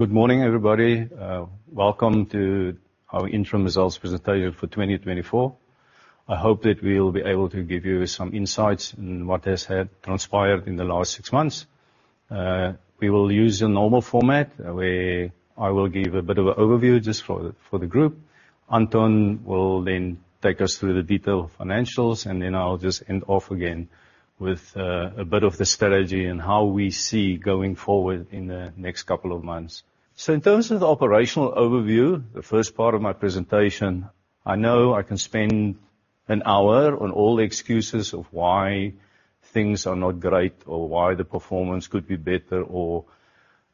Good morning, everybody. Welcome to our interim results presentation for 2024. I hope that we will be able to give you some insights in what has transpired in the last six months. We will use the normal format, where I will give a bit of an overview just for the group. Anton will then take us through the detailed financials, and then I'll just end off again with a bit of the strategy and how we see going forward in the next couple of months. So in terms of the operational overview, the first part of my presentation, I know I can spend an hour on all the excuses of why things are not great, or why the performance could be better, or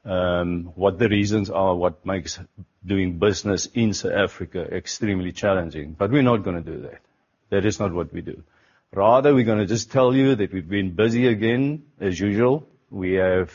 what the reasons are, what makes doing business in South Africa extremely challenging, but we're not gonna do that. That is not what we do. Rather, we're gonna just tell you that we've been busy again, as usual. We have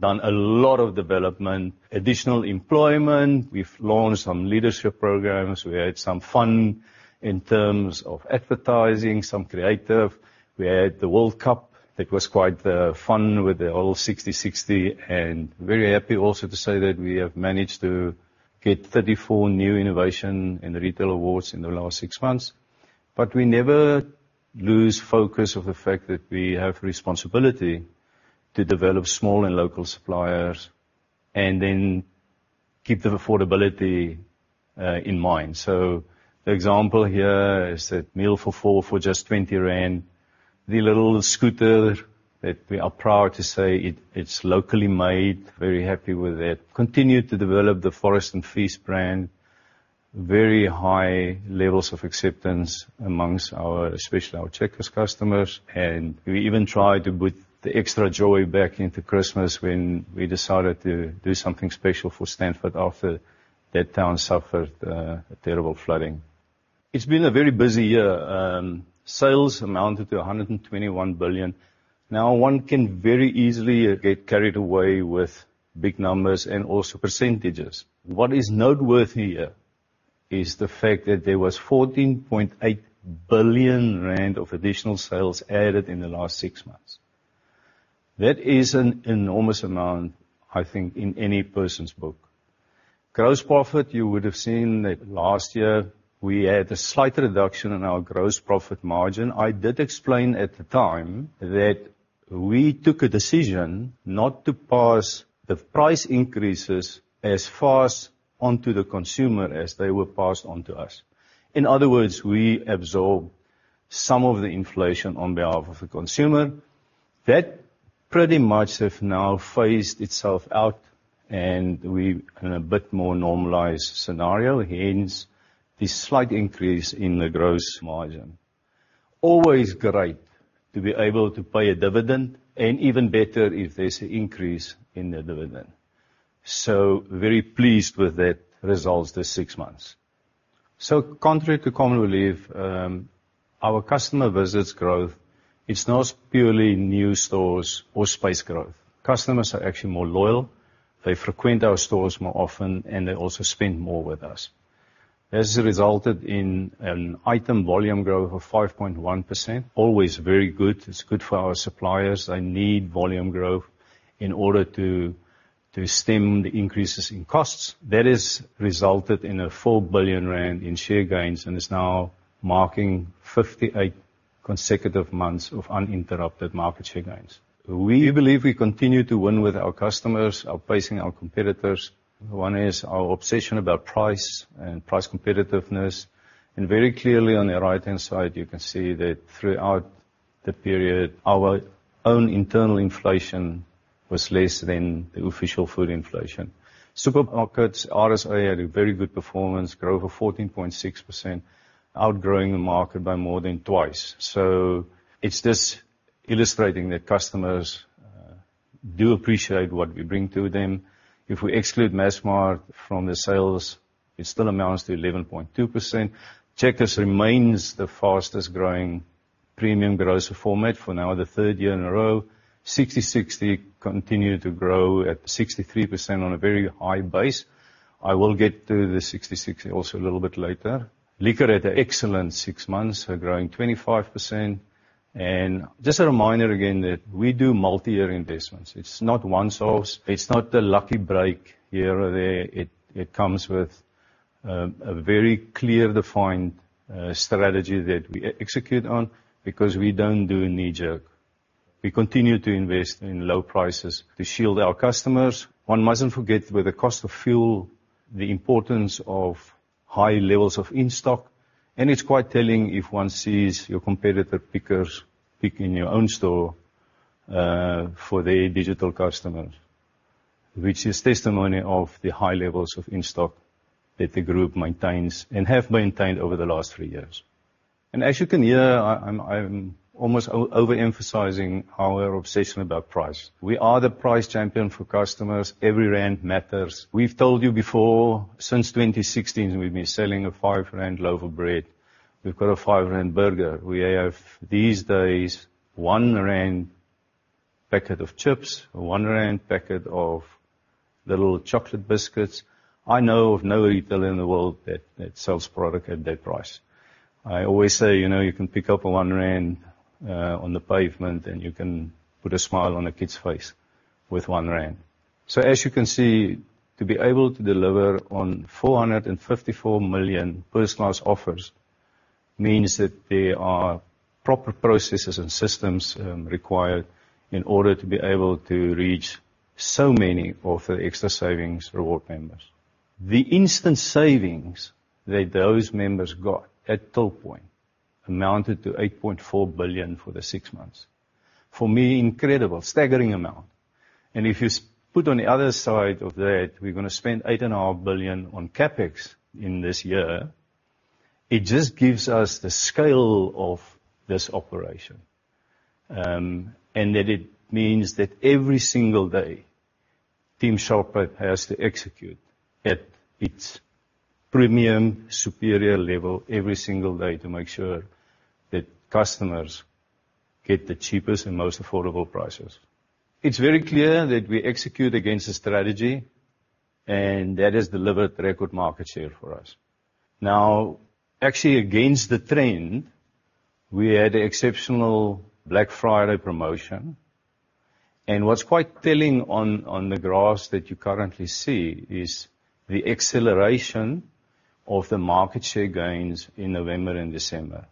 done a lot of development, additional employment. We've launched some leadership programs. We had some fun in terms of advertising, some creative. We had the World Cup. That was quite fun with the whole Sixty60, and very happy also to say that we have managed to get 34 new innovation and retail awards in the last six months. But we never lose focus of the fact that we have responsibility to develop small and local suppliers, and then keep the affordability in mind. So the example here is that meal for four for just 20 rand. The little scooter, that we are proud to say it, it's locally made. Very happy with that. Continue to develop the Forage and Feast brand. Very high levels of acceptance among our... especially our Checkers customers, and we even tried to put the extra joy back into Christmas, when we decided to do something special for Stanford after that town suffered a terrible flooding. It's been a very busy year. Sales amounted to 121 billion. Now, one can very easily get carried away with big numbers and also percentages. What is noteworthy here is the fact that there was 14.8 billion rand of additional sales added in the last six months. That is an enormous amount, I think, in any person's book. Gross profit, you would have seen that last year, we had a slight reduction in our gross profit margin. I did explain at the time, that we took a decision not to pass the price increases as fast onto the consumer as they were passed on to us. In other words, we absorbed some of the inflation on behalf of the consumer. That pretty much have now phased itself out, and we in a bit more normalized scenario, hence, the slight increase in the gross margin. Always great to be able to pay a dividend, and even better if there's an increase in the dividend. So very pleased with that results this six months. So contrary to common belief, our customer visits growth, it's not purely new stores or space growth. Customers are actually more loyal, they frequent our stores more often, and they also spend more with us. This has resulted in an item volume growth of 5.1%. Always very good. It's good for our suppliers. They need volume growth in order to stem the increases in costs. That has resulted in 4 billion rand in share gains and is now marking 58 consecutive months of uninterrupted market share gains. We believe we continue to win with our customers, outpacing our competitors. One is our obsession about price and price competitiveness, and very clearly, on the right-hand side, you can see that throughout the period, our own internal inflation was less than the official food inflation. Supermarkets, RSA, had a very good performance, growth of 14.6%, outgrowing the market by more than twice. So it's just illustrating that customers do appreciate what we bring to them. If we exclude Massmart from the sales, it still amounts to 11.2%. Checkers remains the fastest-growing premium grocer format for now the third year in a row. Sixty60 continues to grow at 63% on a very high base. I will get to the Sixty60 also a little bit later. Liquor had an excellent six months, growing 25%. And just a reminder, again, that we do multi-year investments. It's not once off, it's not a lucky break here or there. It, it comes with, a very clear, defined strategy that we execute on, because we don't do a knee-jerk. We continue to invest in low prices to shield our customers. One mustn't forget, with the cost of fuel, the importance of high levels of in-stock, and it's quite telling if one sees your competitor pickers picking in your own store for their digital customers, which is testimony of the high levels of in-stock that the group maintains and have maintained over the last three years. As you can hear, I'm almost overemphasizing our obsession about price. We are the price champion for customers. Every rand matters. We've told you before, since 2016, we've been selling a 5 rand loaf of bread. We've got a 5 rand burger. We have, these days, 1 rand packet of chips, a 1 rand packet of little chocolate biscuits. I know of no retailer in the world that sells product at that price. I always say, you know, you can pick up a 1 rand-... On the pavement, and you can put a smile on a kid's face with 1 rand. So as you can see, to be able to deliver on 454 million personalized offers, means that there are proper processes and systems required in order to be able to reach so many of the Xtra Savings reward members. The instant savings that those members got at top point amounted to 8.4 billion for the six months. For me, incredible, staggering amount! And if you put on the other side of that, we're gonna spend 8.5 billion on CapEx in this year. It just gives us the scale of this operation, and that it means that every single day, Team Shoprite has to execute at its premium, superior level every single day to make sure that customers get the cheapest and most affordable prices. It's very clear that we execute against the strategy, and that has delivered record market share for us. Now, actually, against the trend, we had exceptional Black Friday promotion, and what's quite telling on the graphs that you currently see, is the acceleration of the market share gains in November and December.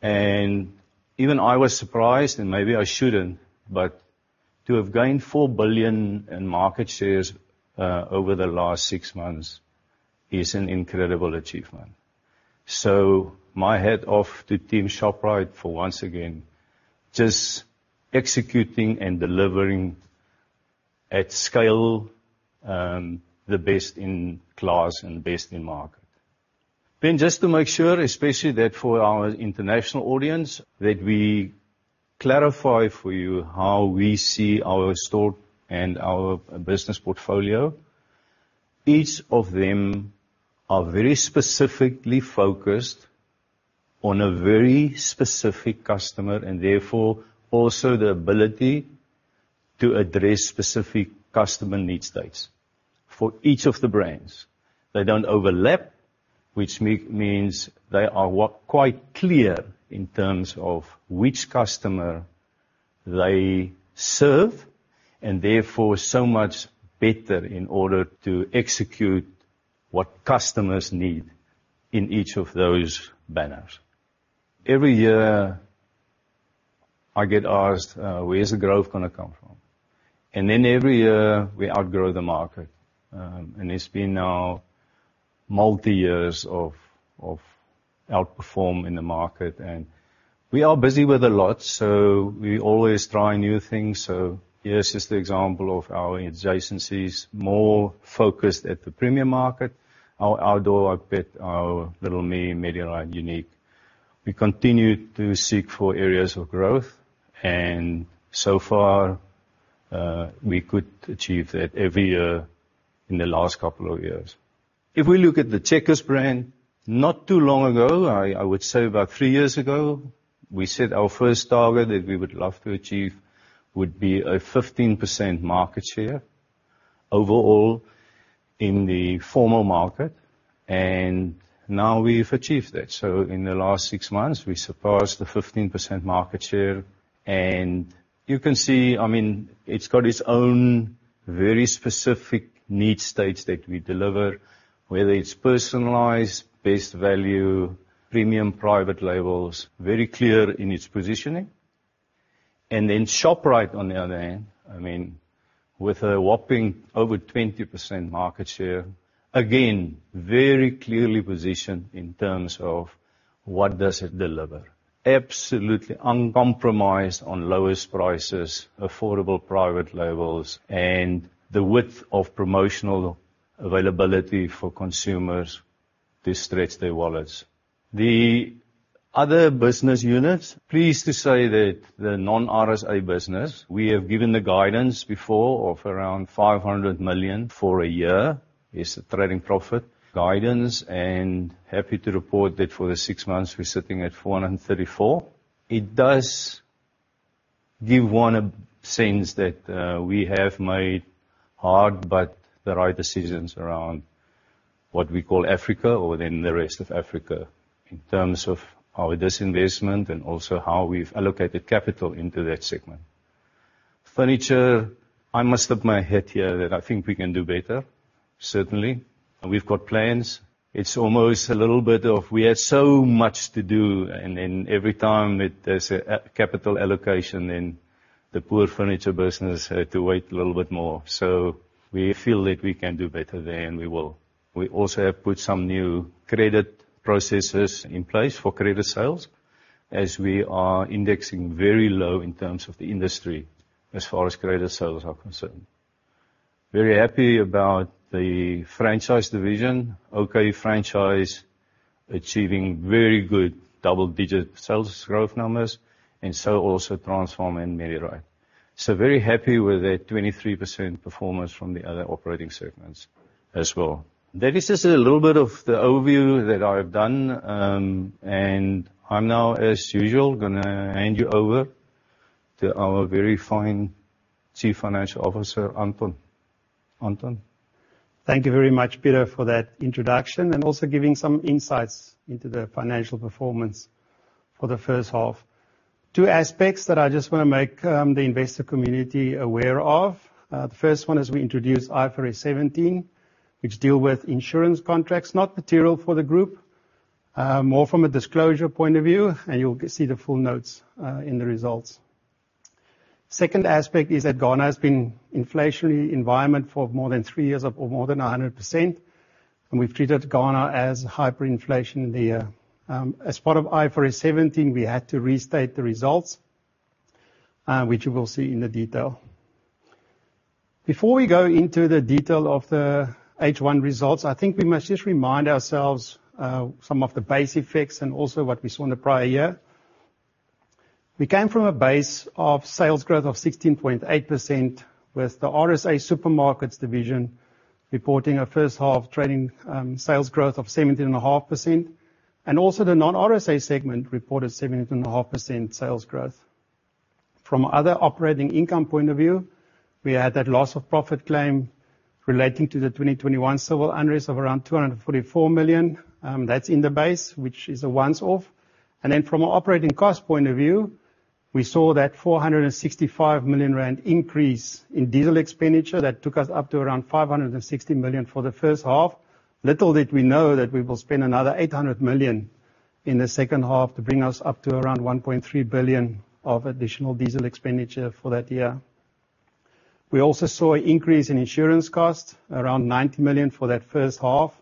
And even I was surprised, and maybe I shouldn't, but to have gained 4 billion in market shares over the last six months is an incredible achievement. So my hat off to Team Shoprite for once again, just executing and delivering at scale, the best in class and best in market. Then, just to make sure, especially that for our international audience, that we clarify for you how we see our store and our business portfolio. Each of them are very specifically focused on a very specific customer, and therefore also the ability to address specific customer need states for each of the brands. They don't overlap, which means they are quite clear in terms of which customer they serve, and therefore so much better in order to execute what customers need in each of those banners. Every year, I get asked, "Where's the growth gonna come from?" And then every year we outgrow the market. And it's been now multi years of outperform in the market, and we are busy with a lot, so we always try new things. So here is just the example of our adjacencies, more focused at the premium market, our Outdoor, Pet, our Little Me, Medirite, UNIQ. We continue to seek for areas of growth, and so far, we could achieve that every year in the last couple of years. If we look at the Checkers brand, not too long ago, I, I would say about three years ago, we set our first target that we would love to achieve, would be a 15% market share overall in the formal market, and now we've achieved that. So in the last six months, we surpassed the 15% market share, and you can see, I mean, it's got its own very specific need states that we deliver, whether it's personalized, best value, premium, private labels, very clear in its positioning. And then Shoprite, on the other hand, I mean, with a whopping over 20% market share, again, very clearly positioned in terms of what does it deliver. Absolutely uncompromised on lowest prices, affordable private labels, and the width of promotional availability for consumers to stretch their wallets. The other business units, pleased to say that the non-RSA business, we have given the guidance before of around 500 million for a year, is the trading profit guidance, and happy to report that for the six months we're sitting at 434 million. It does give one a sense that we have made hard, but the right decisions around what we call Africa, or within the rest of Africa, in terms of our disinvestment and also how we've allocated capital into that segment. Furniture, I must hang my head here, that I think we can do better. Certainly, and we've got plans. It's almost a little bit of we have so much to do, and then every time that there's a, a capital allocation, then the poor furniture business had to wait a little bit more. So we feel that we can do better there, and we will. We also have put some new credit processes in place for credit sales, as we are indexing very low in terms of the industry as far as credit sales are concerned. Very happy about the franchise division. OK Franchise achieving very good double-digit sales growth numbers, and so also Transpharm and Medirite. So very happy with that 23% performance from the other operating segments as well. That is just a little bit of the overview that I've done, and I'm now, as usual, gonna hand you over to our very fine Chief Financial Officer, Anton.... Anton. Thank you very much, Pieter, for that introduction, and also giving some insights into the financial performance for the first half. Two aspects that I just wanna make the investor community aware of. The first one is we introduced IFRS 17, which deal with insurance contracts, not material for the group, more from a disclosure point of view, and you'll see the full notes in the results. Second aspect is that Ghana has been inflationary environment for more than three years or more than 100%, and we've treated Ghana as hyperinflation. As part of IFRS 17, we had to restate the results, which you will see in the detail. Before we go into the detail of the H1 results, I think we must just remind ourselves some of the base effects and also what we saw in the prior year. We came from a base of sales growth of 16.8%, with the RSA Supermarkets division reporting a first half trading sales growth of 17.5%, and also the non-RSA segment reported 17.5% sales growth. From other operating income point of view, we had that loss of profit claim relating to the 2021 civil unrest of around 244 million. That's in the base, which is a once off, and then from an operating cost point of view, we saw that 465 million rand increase in diesel expenditure that took us up to around 560 million for the first half. Little did we know that we will spend another 800 million in the second half to bring us up to around 1.3 billion of additional diesel expenditure for that year. We also saw an increase in insurance costs, around 90 million for that first half,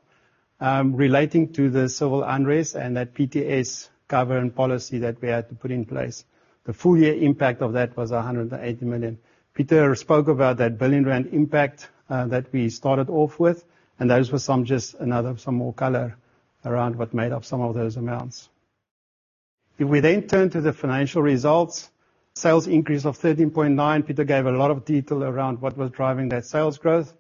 relating to the civil unrest and that SASRIA cover and policy that we had to put in place. The full year impact of that was 180 million. Pieter spoke about that 1 billion rand impact that we started off with, and those were some just another, some more color around what made up some of those amounts. If we then turn to the financial results, sales increase of 13.9. Pieter gave a lot of detail around what was driving that sales growth.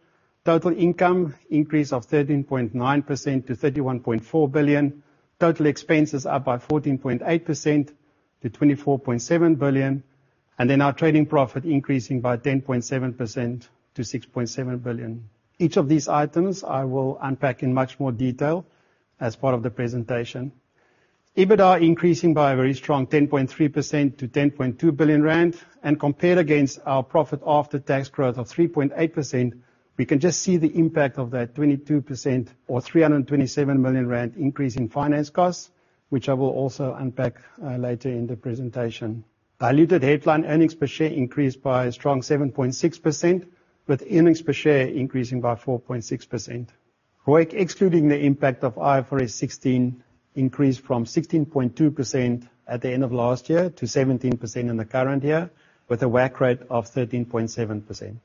Total income increase of 13.9% to 31.4 billion. Total expenses up by 14.8% to 24.7 billion. And then our trading profit increasing by 10.7% to 6.7 billion. Each of these items I will unpack in much more detail as part of the presentation. EBITDA increasing by a very strong 10.3% to 10.2 billion rand, and compared against our profit after tax growth of 3.8%, we can just see the impact of that 22% or 327 million rand increase in finance costs, which I will also unpack later in the presentation. Diluted headline earnings per share increased by a strong 7.6%, with earnings per share increasing by 4.6%. ROIC, excluding the impact of IFRS 16, increased from 16.2% at the end of last year to 17% in the current year, with a WACC rate of 13.7%.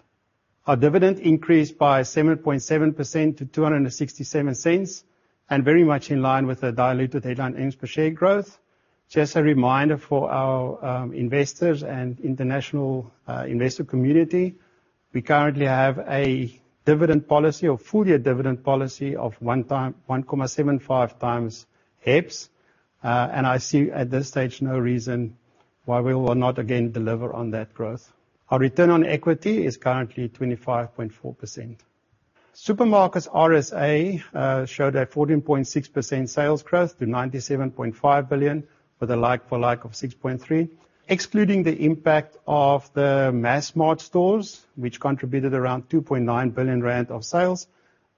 Our dividend increased by 7.7% to 2.67, and very much in line with the diluted headline earnings per share growth. Just a reminder for our investors and international investor community, we currently have a dividend policy or full year dividend policy of 1.75 times EPS. And I see, at this stage, no reason why we will not again deliver on that growth. Our return on equity is currently 25.4%. Supermarkets RSA showed a 14.6% sales growth to 97.5 billion, with a like-for-like of 6.3%. Excluding the impact of the Massmart stores, which contributed around 2.9 billion rand of sales,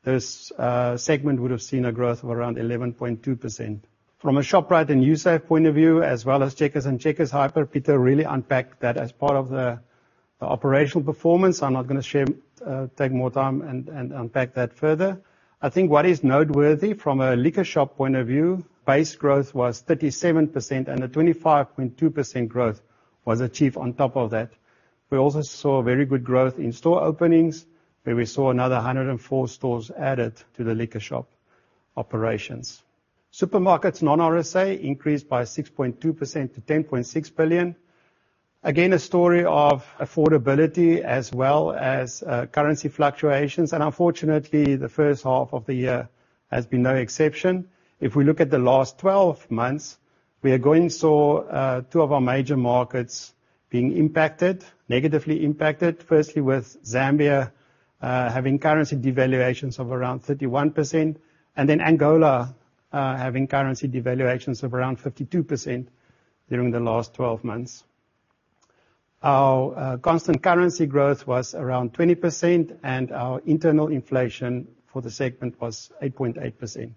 this segment would have seen a growth of around 11.2%. From a Shoprite and Usave point of view, as well as Checkers and Checkers Hyper, Pieter really unpacked that as part of the operational performance. I'm not gonna share, take more time and unpack that further. I think what is noteworthy from a LiquorShop point of view, base growth was 37%, and a 25.2% growth was achieved on top of that. We also saw very good growth in store openings, where we saw another 104 stores added to the LiquorShop operations. Supermarkets, non-RSA increased by 6.2% to 10.6 billion. Again, a story of affordability as well as currency fluctuations, and unfortunately, the first half of the year has been no exception. If we look at the last twelve months, we saw two of our major markets being impacted, negatively impacted. Firstly, with Zambia having currency devaluations of around 31%, and then Angola having currency devaluations of around 52% during the last 12 months. Our constant currency growth was around 20%, and our internal inflation for the segment was 8.8%.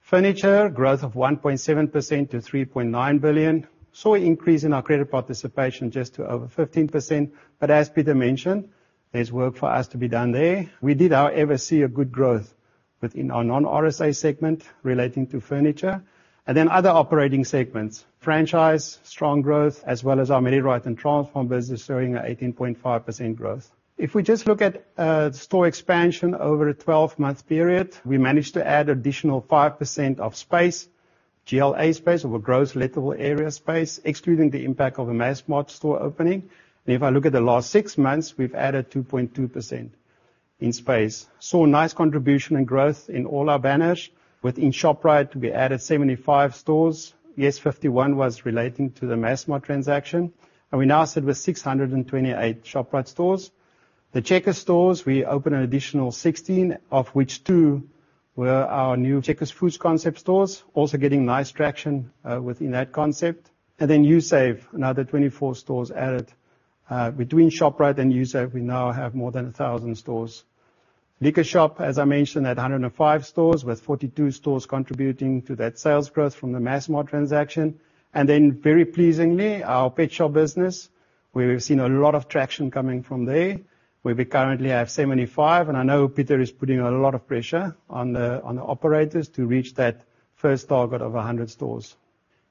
Furniture growth of 1.7% to 3.9 billion saw an increase in our credit participation just to over 15%, but as Pieter mentioned, there's work for us to be done there. We did, however, see a good growth within our non-RSA segment relating to furniture. And then other operating segments, franchise, strong growth, as well as our Medirite and Transpharm business showing an 18.5% growth. If we just look at store expansion over a 12-month period, we managed to add additional 5% of space, GLA space, or a gross lettable area space, excluding the impact of a Massmart store opening. If I look at the last six months, we've added 2.2% in space. Saw a nice contribution and growth in all our banners. Within Shoprite, we added 75 stores. Yes, 51 was relating to the Massmart transaction, and we now sit with 628 Shoprite stores. The Checkers stores, we opened an additional 16, of which 2 were our new Checkers Foods concept stores, also getting nice traction within that concept. Usave, another 24 stores added. Between Shoprite and Usave, we now have more than 1,000 stores. LiquorShop, as I mentioned, at 105 stores, with 42 stores contributing to that sales growth from the Massmart transaction. And then, very pleasingly, our pet shop business, where we've seen a lot of traction coming from there, where we currently have 75, and I know Pieter is putting a lot of pressure on the operators to reach that first target of 100 stores.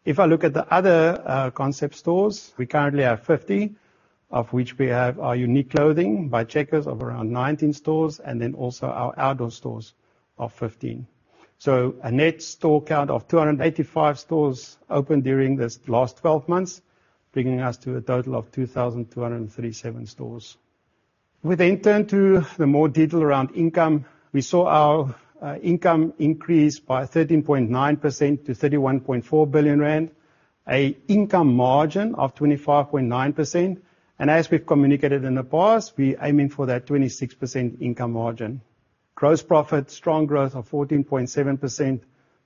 If I look at the other concept stores, we currently have 50, of which we have our UNIQ clothing by Checkers of around 19 stores, and then also our outdoor stores of 15. So a net store count of 285 stores opened during this last 12 months, bringing us to a total of 2,237 stores. We then turn to the more detail around income. We saw our income increase by 13.9% to 31.4 billion rand, a income margin of 25.9%, and as we've communicated in the past, we're aiming for that 26% income margin. Gross profit, strong growth of 14.7%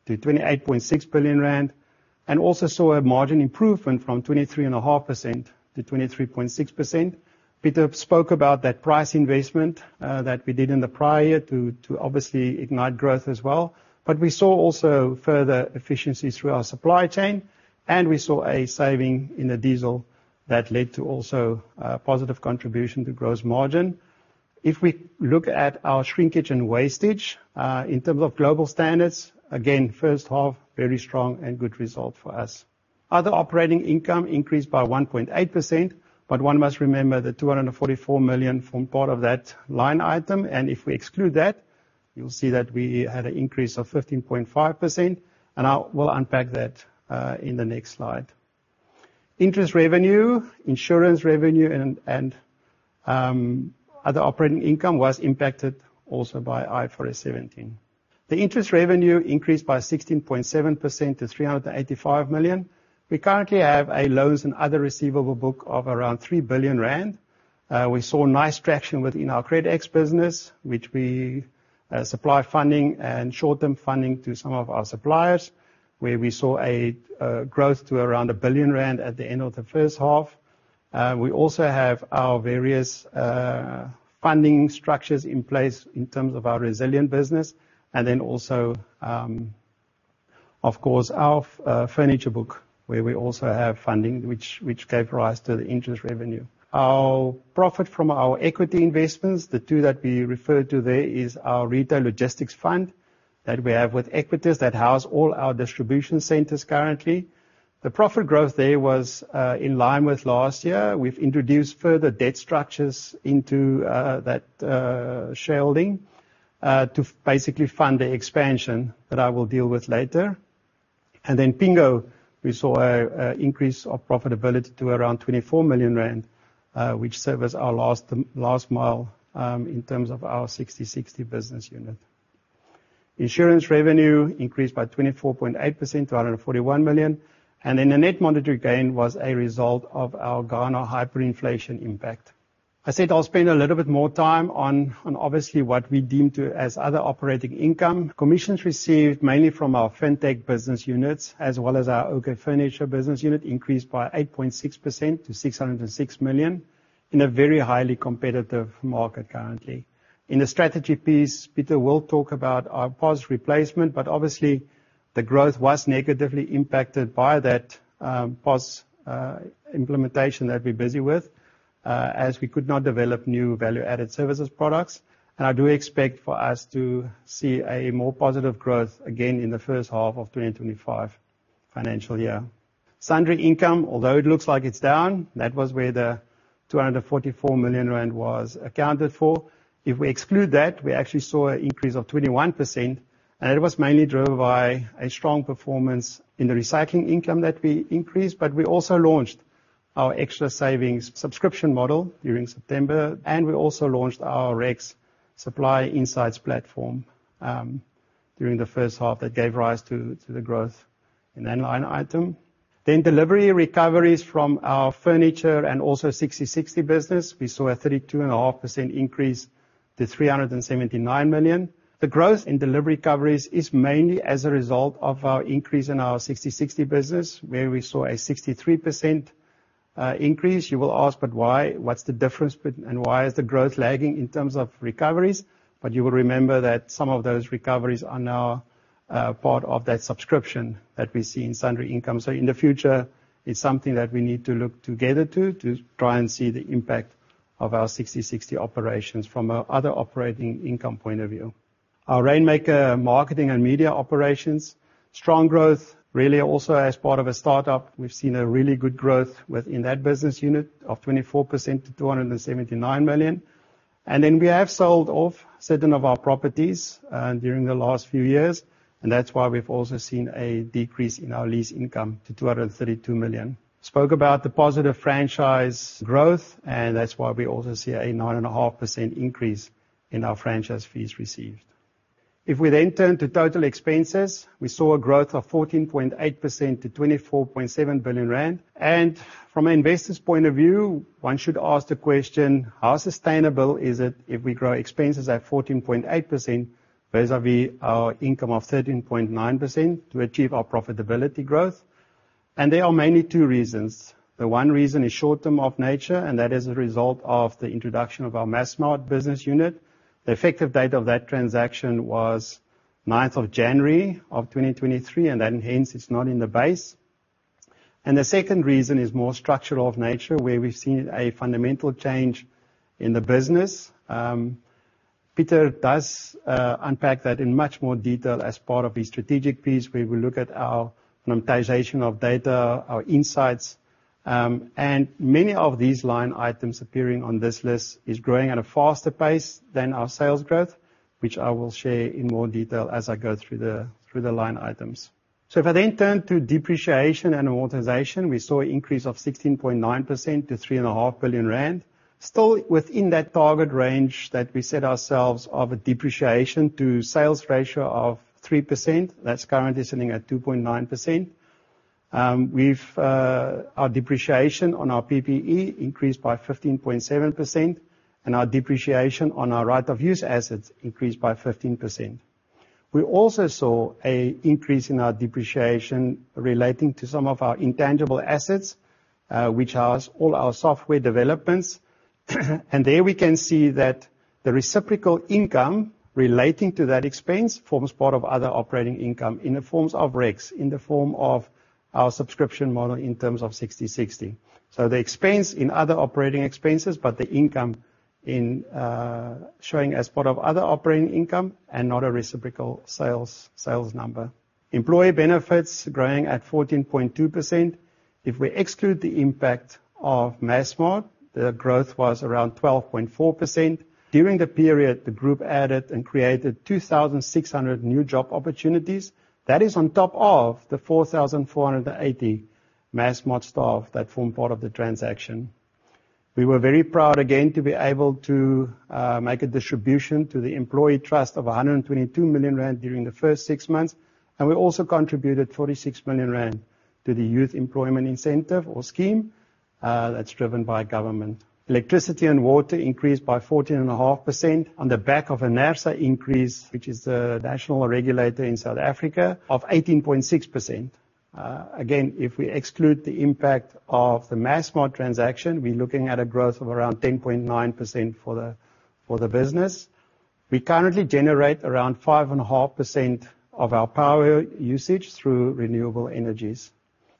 to 28.6 billion rand, and also saw a margin improvement from 23.5% to 23.6%. Pieter spoke about that price investment that we did in the prior to obviously ignite growth as well, but we saw also further efficiencies through our supply chain, and we saw a saving in the diesel that led to also a positive contribution to gross margin. If we look at our shrinkage and wastage in terms of global standards, again, first half, very strong and good result for us. Other operating income increased by 1.8%, but one must remember the 244 million from part of that line item, and if we exclude that, you'll see that we had an increase of 15.5%, and I will unpack that in the next slide. Interest revenue, insurance revenue and other operating income was impacted also by IFRS 17. The interest revenue increased by 16.7% to 385 million. We currently have a loans and other receivable book of around 3 billion rand. We saw nice traction within our CredEx business, which we supply funding and short-term funding to some of our suppliers, where we saw a growth to around 1 billion rand at the end of the first half. We also have our various funding structures in place in terms of our resilient business, and then also, of course, our furniture book, where we also have funding which gave rise to the interest revenue. Our profit from our equity investments, the two that we refer to there is our retail logistics fund that we have with Equites that house all our distribution centers currently. The profit growth there was in line with last year. We've introduced further debt structures into that shareholding to basically fund the expansion that I will deal with later. And then Pingo, we saw an increase of profitability to around 24 million rand, which serve as our last mile in terms of our Sixty60 business unit. Insurance revenue increased by 24.8% to 141 million, and then the net monetary gain was a result of our Ghana hyperinflation impact. I said I'll spend a little bit more time on obviously what we deem to as other operating income. Commissions received, mainly from our Fintech business units, as well as our OK Furniture business unit, increased by 8.6% to 606 million in a very highly competitive market currently. In the strategy piece, Pieter will talk about our POS replacement, but obviously, the growth was negatively impacted by that POS implementation that we're busy with as we could not develop new value-added services products. And I do expect for us to see a more positive growth again in the first half of 2025 financial year. Sundry income, although it looks like it's down, that was where the 244 million rand was accounted for. If we exclude that, we actually saw an increase of 21%, and it was mainly driven by a strong performance in the recycling income that we increased, but we also launched our Xtra Savings subscription model during September, and we also launched our REX Supply Insights platform during the first half. That gave rise to to the growth in that line item. Then delivery recoveries from our furniture and also Sixty60 business, we saw a 32.5% increase to 379 million. The growth in delivery recoveries is mainly as a result of our increase in our Sixty60 business, where we saw a 63% increase. You will ask, "But why? What's the difference between and why is the growth lagging in terms of recoveries?" But you will remember that some of those recoveries are now part of that subscription that we see in sundry income. So in the future, it's something that we need to look together to, to try and see the impact of our Sixty60 operations from our other operating income point of view. Our Rainmaker marketing and media operations, strong growth, really also as part of a start-up. We've seen a really good growth within that business unit of 24% to 279 million. And then we have sold off certain of our properties during the last few years, and that's why we've also seen a decrease in our lease income to 232 million. Spoke about the positive franchise growth, and that's why we also see a 9.5% increase in our franchise fees received.... If we then turn to total expenses, we saw a growth of 14.8% to 24.7 billion rand. And from an investor's point of view, one should ask the question: how sustainable is it if we grow expenses at 14.8% vis-a-vis our income of 13.9% to achieve our profitability growth? And there are mainly two reasons. The one reason is short-term in nature, and that is a result of the introduction of our Massmart business unit. The effective date of that transaction was 9th of January of 2023, and then, hence, it's not in the base. And the second reason is more structural in nature, where we've seen a fundamental change in the business. Pieter does unpack that in much more detail as part of his strategic piece, where we look at our monetization of data, our insights, and many of these line items appearing on this list is growing at a faster pace than our sales growth, which I will share in more detail as I go through the line items. So if I then turn to depreciation and amortization, we saw an increase of 16.9% to 3.5 billion rand. Still within that target range that we set ourselves of a depreciation to sales ratio of 3%. That's currently sitting at 2.9%. We've, our depreciation on our PPE increased by 15.7%, and our depreciation on our right of use assets increased by 15%. We also saw an increase in our depreciation relating to some of our intangible assets, which has all our software developments. There we can see that the reciprocal income relating to that expense forms part of other operating income in the forms of REX, in the form of our subscription model, in terms of Sixty60. So the expense in other operating expenses, but the income in, showing as part of other operating income and not a reciprocal sales, sales number. Employee benefits growing at 14.2%. If we exclude the impact of Massmart, the growth was around 12.4%. During the period, the group added and created 2,600 new job opportunities. That is on top of the 4,480 Massmart staff that form part of the transaction. We were very proud again to be able to make a distribution to the employee trust of 122 million rand during the first six months, and we also contributed 46 million rand to the Youth Employment Incentive or scheme, that's driven by government. Electricity and water increased by 14.5% on the back of a NERSA increase, which is the national regulator in South Africa of 18.6%. Again, if we exclude the impact of the Massmart transaction, we're looking at a growth of around 10.9% for the business. We currently generate around 5.5% of our power usage through renewable energies.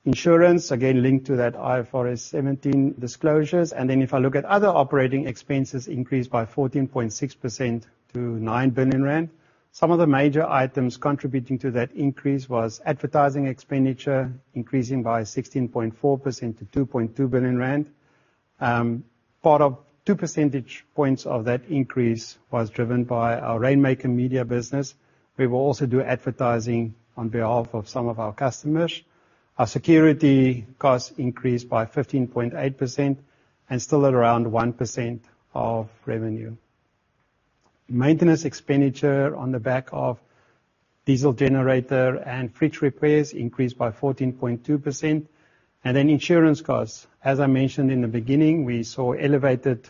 Insurance, again, linked to that IFRS 17 disclosures, and then if I look at other operating expenses, increased by 14.6% to 9 billion rand. Some of the major items contributing to that increase was advertising expenditure, increasing by 16.4% to 2.2 billion rand. Part of 2 percentage points of that increase was driven by our Rainmaker media business. We will also do advertising on behalf of some of our customers. Our security costs increased by 15.8% and still at around 1% of revenue. Maintenance expenditure on the back of diesel generator and fridge repairs increased by 14.2%, and then insurance costs. As I mentioned in the beginning, we saw elevated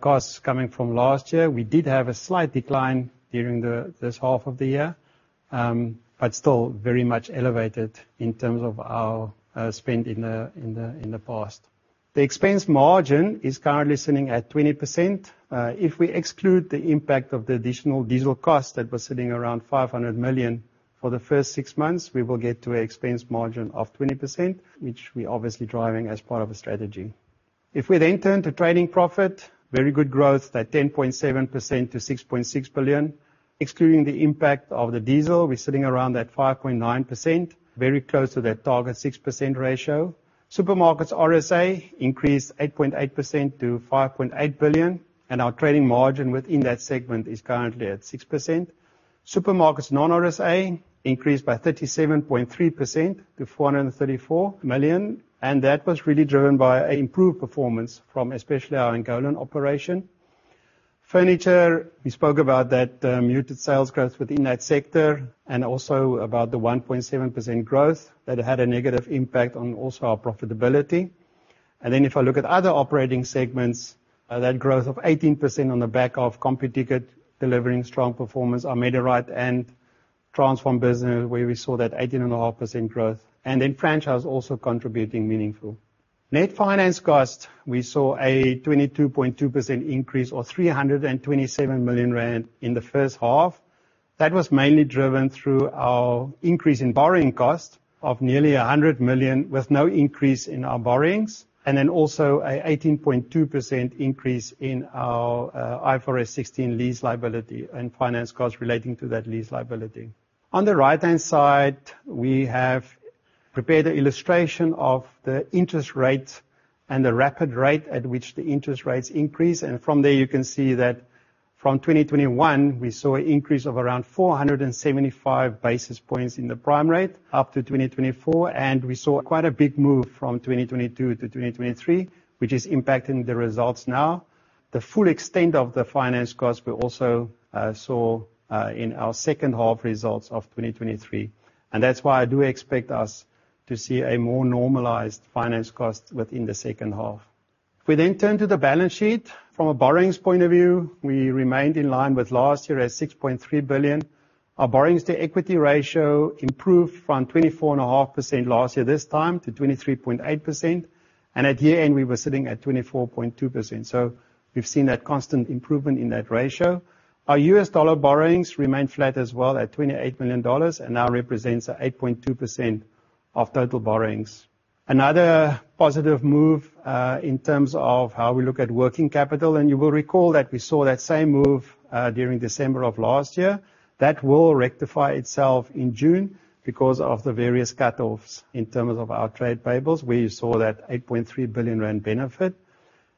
costs coming from last year. We did have a slight decline during this half of the year, but still very much elevated in terms of our spend in the past. The expense margin is currently sitting at 20%. If we exclude the impact of the additional diesel costs, that was sitting around 500 million for the first six months, we will get to a expense margin of 20%, which we're obviously driving as part of a strategy. If we then turn to trading profit, very good growth at 10.7% to 6.6 billion. Excluding the impact of the diesel, we're sitting around that 5.9%, very close to that target 6% ratio. Supermarkets RSA increased 8.8% to 5.8 billion, and our trading margin within that segment is currently at 6%. Supermarkets non-RSA increased by 37.3% to 434 million, and that was really driven by an improved performance from especially our Angolan operation. Furniture, we spoke about that, muted sales growth within that sector and also about the 1.7% growth that had a negative impact on also our profitability. Then if I look at other operating segments, that growth of 18% on the back of Computicket, delivering strong performance, our Medirite and Transpharm business, where we saw that 18.5% growth, and then franchise also contributing meaningful. Net finance costs, we saw a 22.2% increase or 327 million rand in the first half. That was mainly driven through our increase in borrowing costs of nearly 100 million, with no increase in our borrowings, and then also an 18.2% increase in our, IFRS 16 lease liability and finance costs relating to that lease liability. On the right-hand side, we have prepared an illustration of the interest rates and the rapid rate at which the interest rates increase, and from there you can see that from 2021, we saw an increase of around 475 basis points in the prime rate up to 2024, and we saw quite a big move from 2022 to 2023, which is impacting the results now. The full extent of the finance cost, we also saw in our second half results of 2023, and that's why I do expect us to see a more normalized finance cost within the second half. We then turn to the balance sheet. From a borrowings point of view, we remained in line with last year at 6.3 billion. Our borrowings to equity ratio improved from 24.5% last year, this time, to 23.8%, and at year-end, we were sitting at 24.2%, so we've seen that constant improvement in that ratio. Our US dollar borrowings remained flat as well, at $28 million, and now represents 8.2% of total borrowings. Another positive move in terms of how we look at working capital, and you will recall that we saw that same move during December of last year. That will rectify itself in June because of the various cutoffs in terms of our trade payables. We saw that 8.3 billion rand benefit,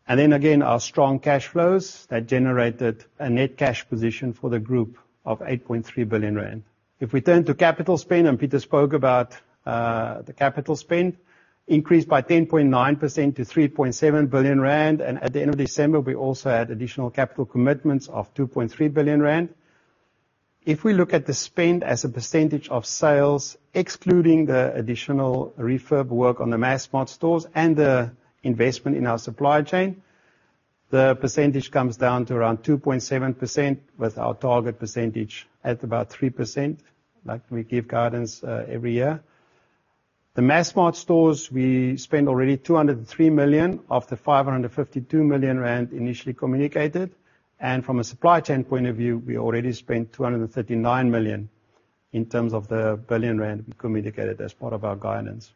and then, again, our strong cash flows that generated a net cash position for the group of 8.3 billion rand. If we turn to capital spend, and Pieter spoke about, the capital spend increased by 10.9% to 3.7 billion rand, and at the end of December, we also had additional capital commitments of 2.3 billion rand. If we look at the spend as a percentage of sales, excluding the additional refurb work on the Massmart stores and the investment in our supply chain, the percentage comes down to around 2.7%, with our target percentage at about 3%, like we give guidance, every year. The Massmart stores, we spent already 203 million of the 552 million rand initially communicated, and from a supply chain point of view, we already spent 239 million in terms of the 1 billion rand we communicated as part of our guidance.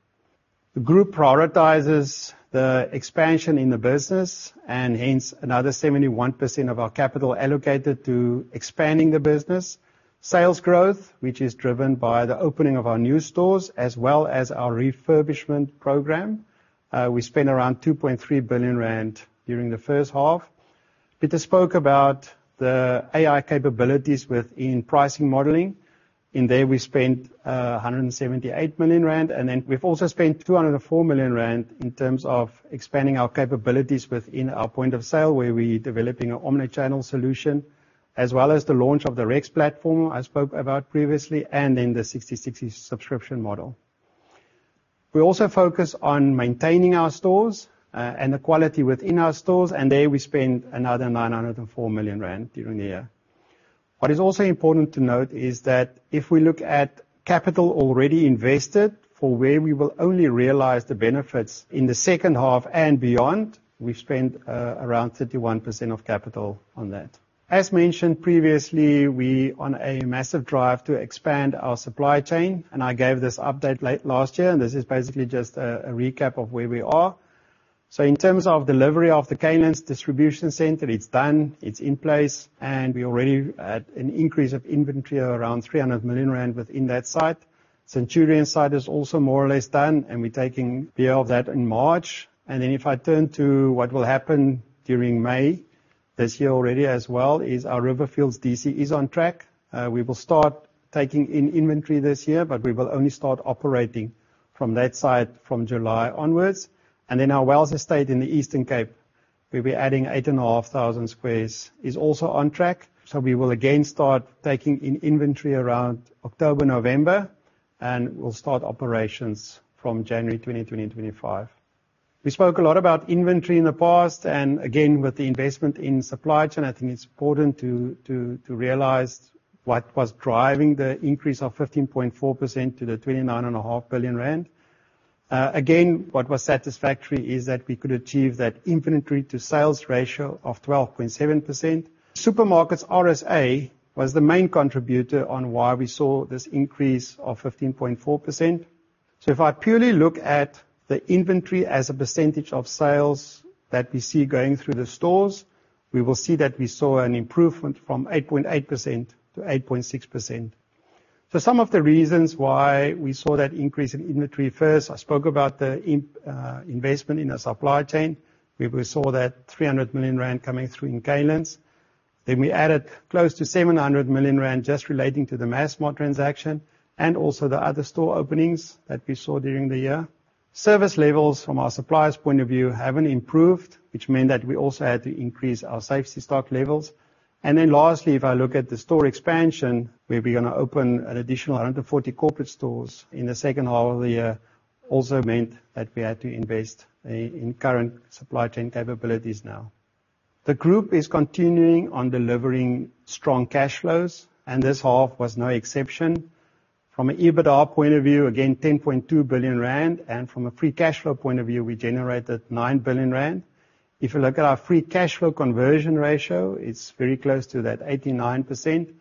The group prioritizes the expansion in the business, and hence, another 71% of our capital allocated to expanding the business. Sales growth, which is driven by the opening of our new stores as well as our refurbishment program, we spent around 2.3 billion rand during the first half. Pieter spoke about the AI capabilities within pricing modeling. In there, we spent 178 million rand, and then we've also spent 204 million rand in terms of expanding our capabilities within our point of sale, where we're developing an omni-channel solution, as well as the launch of the REX platform I spoke about previously, and then the Sixty60 subscription model. We also focus on maintaining our stores, and the quality within our stores, and there we spend another 904 million rand during the year. What is also important to note is that if we look at capital already invested for where we will only realize the benefits in the second half and beyond, we've spent around 31% of capital on that. As mentioned previously, we on a massive drive to expand our supply chain, and I gave this update last year, and this is basically just a recap of where we are. So in terms of delivery of the Canelands distribution center, it's done, it's in place, and we already had an increase of inventory of around 300 million rand within that site. Centurion site is also more or less done, and we're taking care of that in March. And then if I turn to what will happen during May, this year already as well, is our Riverfields DC is on track. We will start taking in inventory this year, but we will only start operating from that site from July onwards. Then our Wells Estate in the Eastern Cape, we'll be adding 8,500 squares, is also on track, so we will again start taking in inventory around October, November, and we'll start operations from January 2025. We spoke a lot about inventory in the past, and again, with the investment in supply chain, I think it's important to realize what was driving the increase of 15.4% to the 29.5 billion rand. Again, what was satisfactory is that we could achieve that inventory to sales ratio of 12.7%. Supermarkets RSA was the main contributor on why we saw this increase of 15.4%. So if I purely look at the inventory as a percentage of sales that we see going through the stores, we will see that we saw an improvement from 8.8% to 8.6%. So some of the reasons why we saw that increase in inventory, first, I spoke about the investment in the supply chain, where we saw that 300 million rand coming through in Canelands. Then we added close to 700 million rand just relating to the Massmart transaction and also the other store openings that we saw during the year. Service levels from our suppliers' point of view haven't improved, which meant that we also had to increase our safety stock levels. Then lastly, if I look at the store expansion, where we're gonna open an additional 140 corporate stores in the second half of the year, also meant that we had to invest in current supply chain capabilities now. The group is continuing on delivering strong cash flows, and this half was no exception. From an EBITDA point of view, again, 10.2 billion rand, and from a free cash flow point of view, we generated 9 billion rand. If you look at our free cash flow conversion ratio, it's very close to that 89%,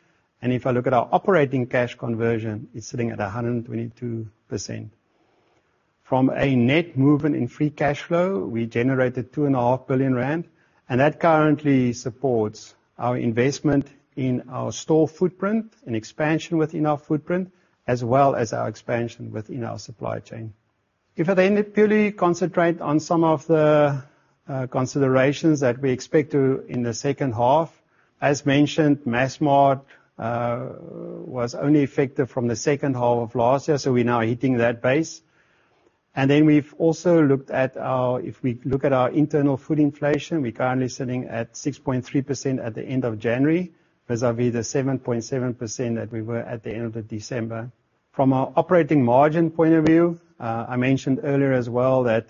and if I look at our operating cash conversion, it's sitting at a 122%. From a net movement in free cash flow, we generated 2.5 billion rand, and that currently supports our investment in our store footprint and expansion within our footprint, as well as our expansion within our supply chain. If I then purely concentrate on some of the considerations that we expect to in the second half, as mentioned, Massmart was only effective from the second half of last year, so we're now hitting that base. And then we've also looked at our, if we look at our internal food inflation, we're currently sitting at 6.3% at the end of January, vis-à-vis the 7.7% that we were at the end of December. From our operating margin point of view, I mentioned earlier as well, that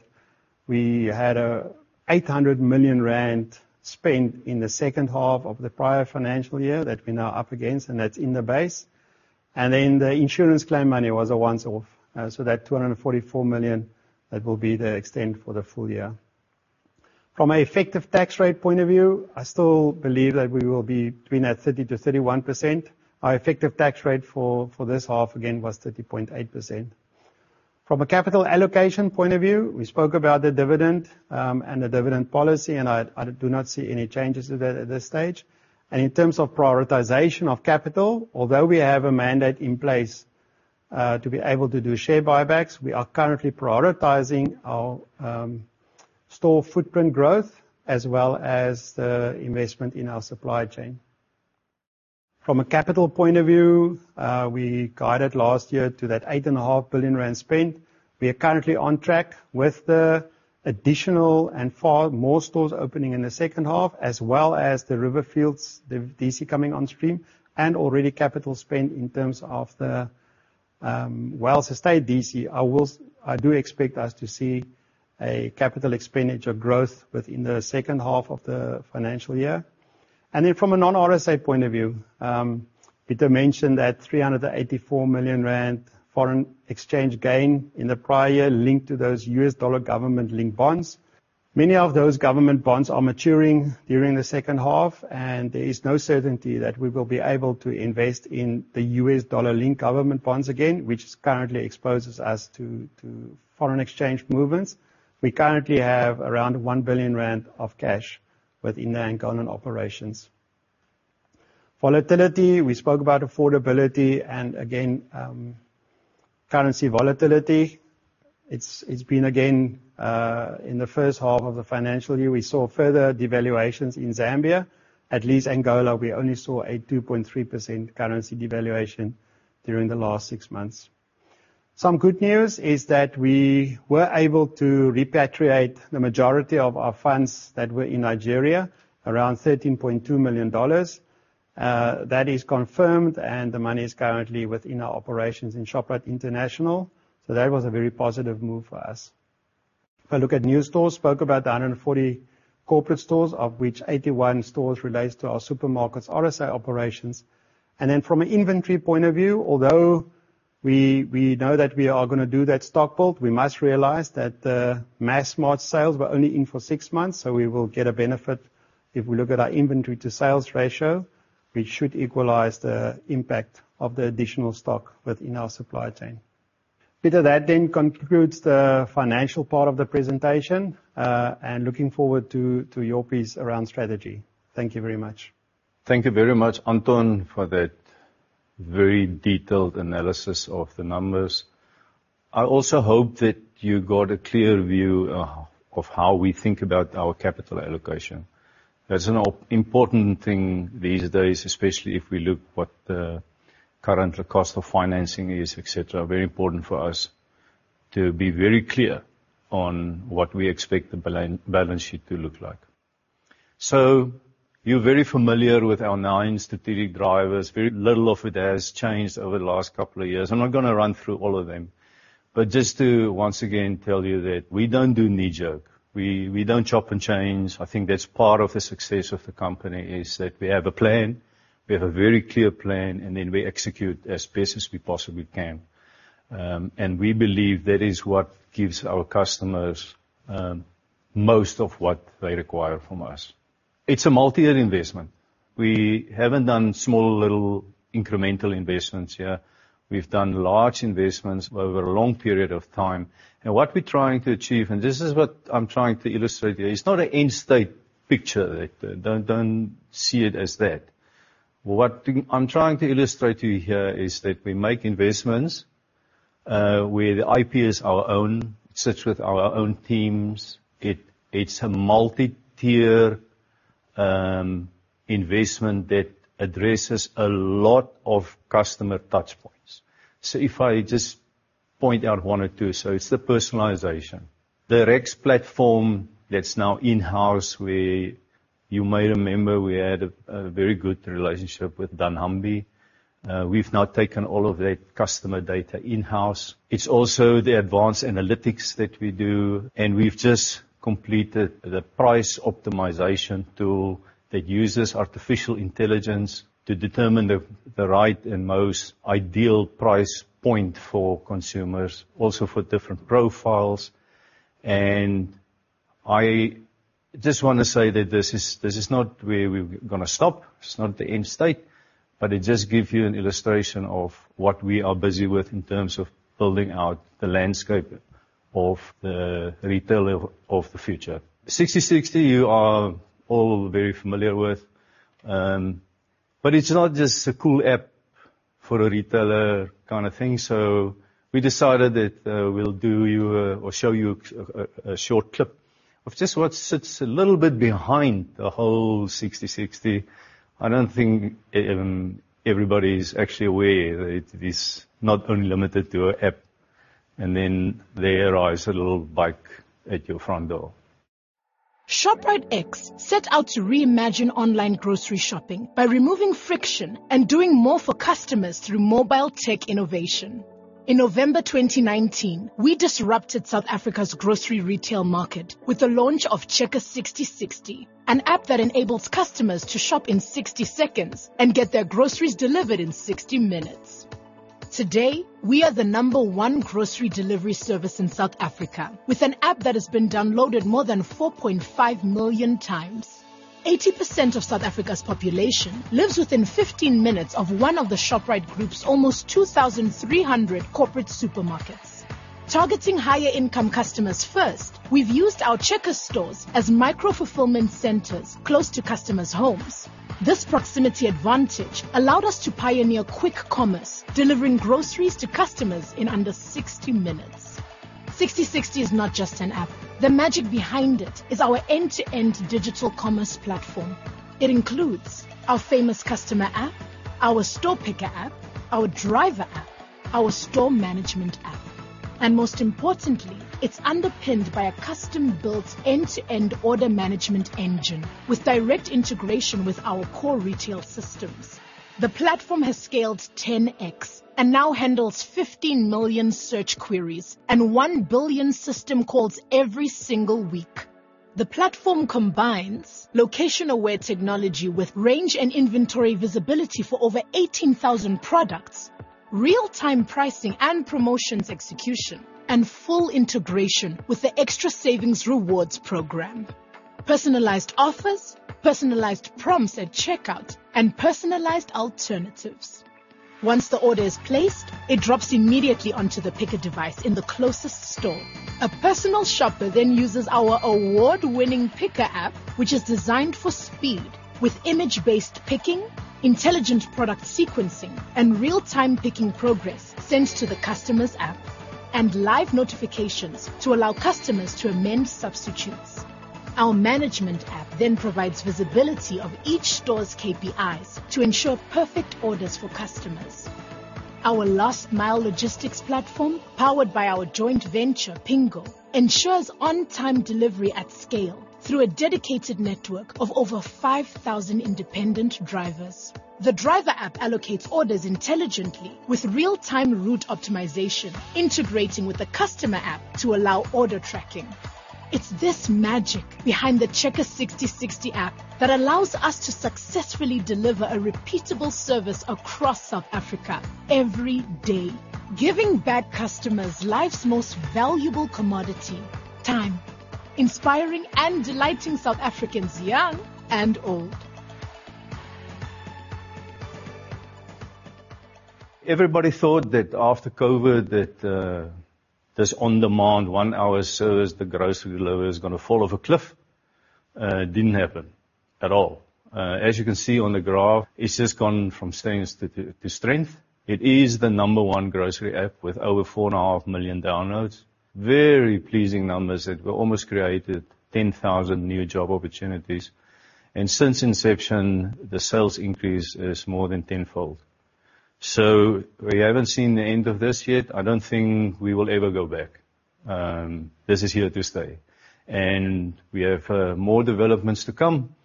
we had 800 million rand spent in the second half of the prior financial year that we're now up against, and that's in the base. And then the insurance claim money was a once off, so that 244 million, that will be the extent for the full year. From an effective tax rate point of view, I still believe that we will be between that 30%-31%. Our effective tax rate for this half, again, was 30.8%. From a capital allocation point of view, we spoke about the dividend, and the dividend policy, and I do not see any changes to that at this stage. In terms of prioritization of capital, although we have a mandate in place to be able to do share buybacks, we are currently prioritizing our store footprint growth as well as the investment in our supply chain. From a capital point of view, we guided last year to that 8.5 billion rand spend. We are currently on track with the additional and far more stores opening in the second half, as well as the Riverfields DC coming on stream, and already capital spend in terms of the Wells Estate DC. I do expect us to see a capital expenditure growth within the second half of the financial year. And then from a non-RSA point of view, Pieter mentioned that 384 million rand foreign exchange gain in the prior year linked to those US dollar government-linked bonds. Many of those government bonds are maturing during the second half, and there is no certainty that we will be able to invest in the US dollar-linked government bonds again, which currently exposes us to foreign exchange movements. We currently have around 1 billion rand of cash within the ongoing operations. Volatility. We spoke about affordability, and again, currency volatility. It's been again in the first half of the financial year, we saw further devaluations in Zambia. At least Angola, we only saw a 2.3% currency devaluation during the last six months. Some good news is that we were able to repatriate the majority of our funds that were in Nigeria, around $13.2 million. That is confirmed, and the money is currently within our operations in Shoprite International. So that was a very positive move for us. If I look at new stores, spoke about the 140 corporate stores, of which 81 stores relates to our supermarket's RSA operations. And then from an inventory point of view, although we, we know that we are gonna do that stock build, we must realize that the Massmart sales were only in for 6 months, so we will get a benefit if we look at our inventory to sales ratio, which should equalize the impact of the additional stock within our supply chain. Pieter, that then concludes the financial part of the presentation, and looking forward to your piece around strategy. Thank you very much. Thank you very much, Anton, for that very detailed analysis of the numbers. I also hope that you got a clear view of how we think about our capital allocation. That's an important thing these days, especially if we look what the current cost of financing is, etc. Very important for us to be very clear on what we expect the balance sheet to look like. So you're very familiar with our nine strategic drivers. Very little of it has changed over the last couple of years. I'm not gonna run through all of them, but just to once again tell you that we don't do knee jerk. We don't chop and change. I think that's part of the success of the company, is that we have a plan, we have a very clear plan, and then we execute as best as we possibly can. We believe that is what gives our customers most of what they require from us. It's a multi-year investment. We haven't done small, little incremental investments here. We've done large investments over a long period of time. And what we're trying to achieve, and this is what I'm trying to illustrate here, it's not an end-state picture. Don't see it as that. What I'm trying to illustrate to you here is that we make investments where the IP is our own, sits with our own teams. It's a multi-tier investment that addresses a lot of customer touch points. So if I just point out one or two, it's the personalization. The REX platform that's now in-house, where you may remember we had a very good relationship with dunnhumby. We've now taken all of that customer data in-house. It's also the advanced analytics that we do, and we've just completed the price optimization tool that uses artificial intelligence to determine the right and most ideal price point for consumers, also for different profiles. And I just wanna say that this is not where we're gonna stop, it's not the end state, but it just gives you an illustration of what we are busy with in terms of building out the landscape of the retailer of the future. Sixty60, you are all very familiar with, but it's not just a cool app for a retailer kind of thing. So we decided that we'll do you, or show you a short clip.... of just what sits a little bit behind the whole Sixty60. I don't think everybody is actually aware that it is not only limited to an app, and then there arrives a little bike at your front door. ShopriteX set out to reimagine online grocery shopping by removing friction and doing more for customers through mobile tech innovation. In November 2019, we disrupted South Africa's grocery retail market with the launch of Checkers Sixty60, an app that enables customers to shop in 60 seconds and get their groceries delivered in 60 minutes. Today, we are the number one grocery delivery service in South Africa, with an app that has been downloaded more than 4.5 million times. 80% of South Africa's population lives within 15 minutes of one of the Shoprite Group's almost 2,300 corporate supermarkets. Targeting higher-income customers first, we've used our Checkers stores as micro-fulfillment centers close to customers' homes. This proximity advantage allowed us to pioneer quick commerce, delivering groceries to customers in under 60 minutes. Sixty60 is not just an app. The magic behind it is our end-to-end digital commerce platform. It includes our famous customer app, our store picker app, our driver app, our store management app, and most importantly, it's underpinned by a custom-built end-to-end order management engine with direct integration with our core retail systems. The platform has scaled 10x and now handles 15 million search queries and 1 billion system calls every single week. The platform combines location-aware technology with range and inventory visibility for over 18,000 products, real-time pricing and promotions execution, and full integration with the Xtra Savings rewards program, personalized offers, personalized prompts at checkout, and personalized alternatives. Once the order is placed, it drops immediately onto the picker device in the closest store. A personal shopper then uses our award-winning picker app, which is designed for speed with image-based picking, intelligent product sequencing, and real-time picking progress sent to the customer's app, and live notifications to allow customers to amend substitutes. Our management app then provides visibility of each store's KPIs to ensure perfect orders for customers. Our last-mile logistics platform, powered by our joint venture, Pingo, ensures on-time delivery at scale through a dedicated network of over 5,000 independent drivers. The driver app allocates orders intelligently with real-time route optimization, integrating with the customer app to allow order tracking. It's this magic behind the Checkers Sixty60 app that allows us to successfully deliver a repeatable service across South Africa every day, giving back customers life's most valuable commodity: time, inspiring and delighting South Africans, young and old. Everybody thought that after COVID, that, this on-demand, one-hour service, the grocery delivery, is going to fall off a cliff. It didn't happen at all. As you can see on the graph, it's just gone from strength to strength. It is the number one grocery app with over 4.5 million downloads. Very pleasing numbers that we almost created 10,000 new job opportunities, and since inception, the sales increase is more than tenfold. So we haven't seen the end of this yet. I don't think we will ever go back. This is here to stay, and we have, more developments to come.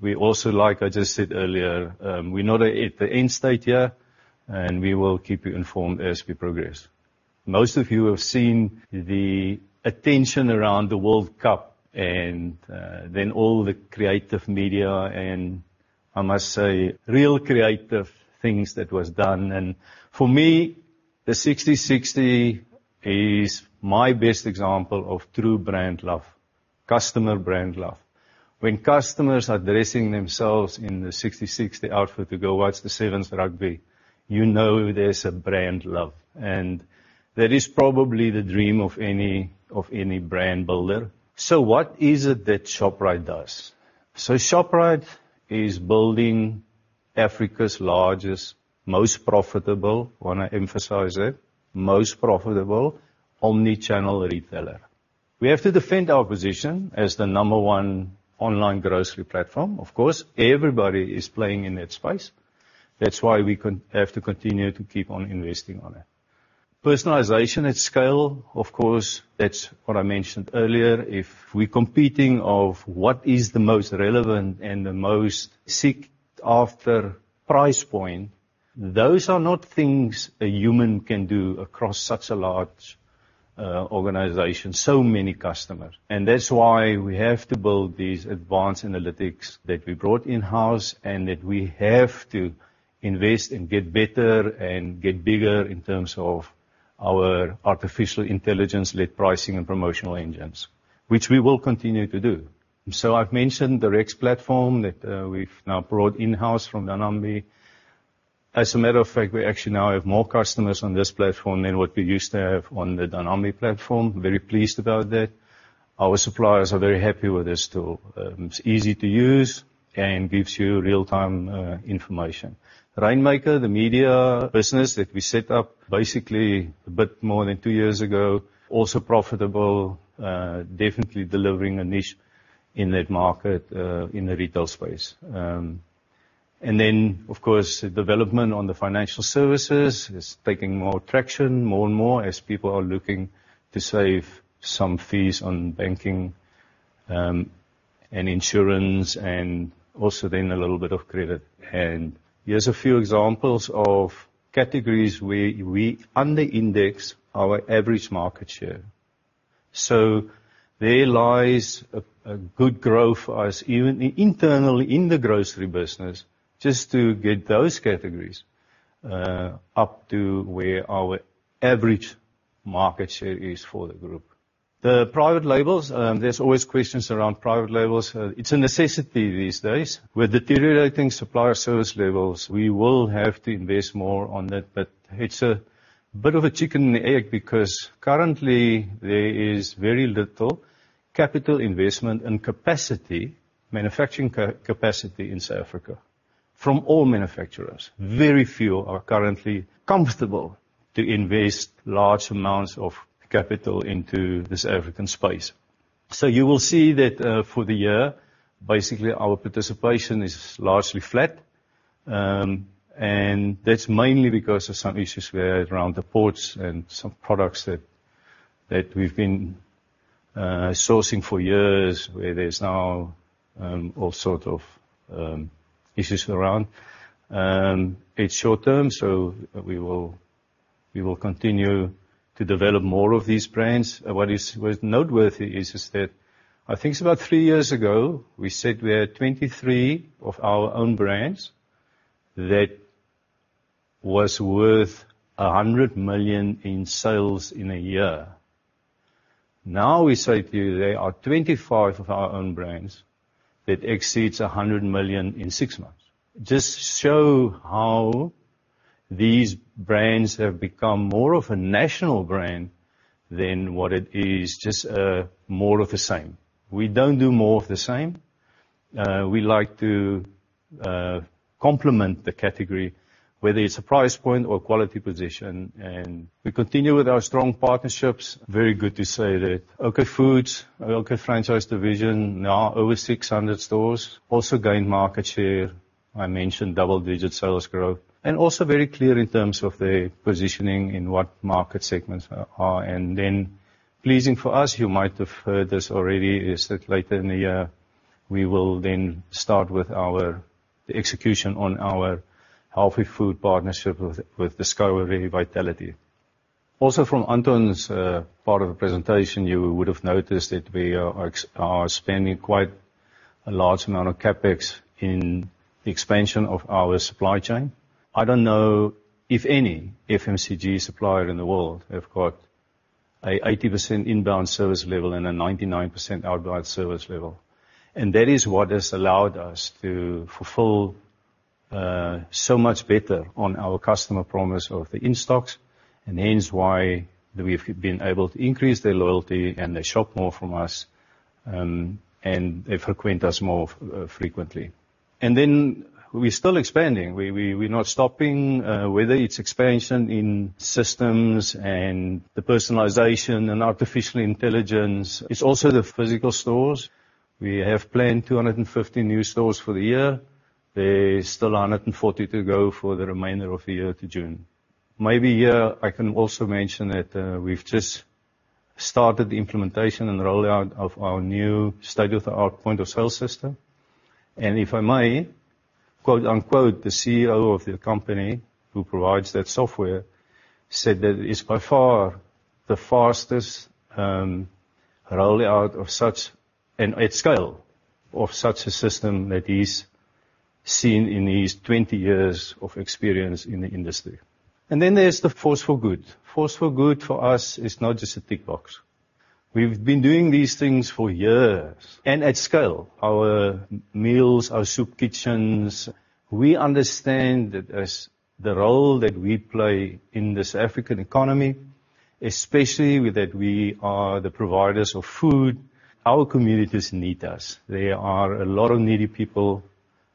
We also, like I just said earlier, we're not at the end state yet, and we will keep you informed as we progress. Most of you have seen the attention around the World Cup and then all the creative media, and I must say, real creative things that was done, and for me, the Sixty60 is my best example of true brand love, customer brand love. When customers are dressing themselves in the Sixty60 outfit to go watch the Sevens rugby, you know there's a brand love, and that is probably the dream of any, of any brand builder. So what is it that Shoprite does? So Shoprite is building Africa's largest, most profitable, want to emphasize that, most profitable omnichannel retailer. We have to defend our position as the number one online grocery platform. Of course, everybody is playing in that space. That's why we have to continue to keep on investing on it. Personalization at scale, of course, that's what I mentioned earlier. If we're competing on what is the most relevant and the most sought-after price point, those are not things a human can do across such a large organization, so many customers. And that's why we have to build these advanced analytics that we brought in-house and that we have to invest and get better and get bigger in terms of our artificial intelligence-led pricing and promotional engines, which we will continue to do. So I've mentioned the REX platform that we've now brought in-house from dunnhumby. As a matter of fact, we actually now have more customers on this platform than what we used to have on the dunnhumby platform. Very pleased about that. Our suppliers are very happy with this tool. It's easy to use and gives you real-time information. Rainmaker, the media business that we set up basically a bit more than two years ago, also profitable, definitely delivering a niche in that market, in the retail space. And then, of course, the development on the financial services is taking more traction, more and more, as people are looking to save some fees on banking, and insurance, and also then a little bit of credit. And here's a few examples of categories where we under index our average market share. So there lies a good growth for us, even internally in the grocery business, just to get those categories up to where our average market share is for the group. The private labels, there's always questions around private labels. It's a necessity these days. With deteriorating supplier service levels, we will have to invest more on that, but it's a bit of a chicken and an egg, because currently, there is very little capital investment and capacity, manufacturing capacity in South Africa from all manufacturers. Very few are currently comfortable to invest large amounts of capital into this African space. So you will see that, for the year, basically, our participation is largely flat. And that's mainly because of some issues we had around the ports and some products that we've been sourcing for years, where there's now all sort of issues around. It's short term, so we will continue to develop more of these brands. What was noteworthy is that I think it's about three years ago, we said we had 23 of our own brands that was worth 100 million in sales in a year. Now, we say to you, there are 25 of our own brands that exceeds 100 million in six months. Just show how these brands have become more of a national brand than what it is, just, more of the same. We don't do more of the same. We like to complement the category, whether it's a price point or quality position, and we continue with our strong partnerships. Very good to say that OK Foods, our OK franchise division, now over 600 stores, also gained market share. I mentioned double-digit sales growth, and also very clear in terms of their positioning in what market segments are. And then, pleasing for us, you might have heard this already, is that later in the year, we will then start with the execution on our healthy food partnership with Discovery Vitality. Also from Anton's part of the presentation, you would have noticed that we are spending quite a large amount of CapEx in expansion of our supply chain. I don't know if any FMCG supplier in the world have got an 80% inbound service level and a 99% outbound service level, and that is what has allowed us to fulfill so much better on our customer promise of the in-stocks, and hence why we've been able to increase their loyalty, and they shop more from us, and they frequent us more frequently. And then, we're still expanding. We're not stopping, whether it's expansion in systems and the personalization and artificial intelligence, it's also the physical stores. We have planned 250 new stores for the year. There's still 140 to go for the remainder of the year to June. Maybe here, I can also mention that we've just started the implementation and rollout of our new state-of-the-art point of sale system. And if I may, quote, unquote, "The CEO of the company who provides that software," said that it's by far the fastest rollout of such, and at scale, of such a system that he's seen in his 20 years of experience in the industry. And then there's the Force for Good. Force for Good, for us, is not just a tick box. We've been doing these things for years and at scale. Our meals, our soup kitchens, we understand that as the role that we play in this African economy, especially with that we are the providers of food, our communities need us. There are a lot of needy people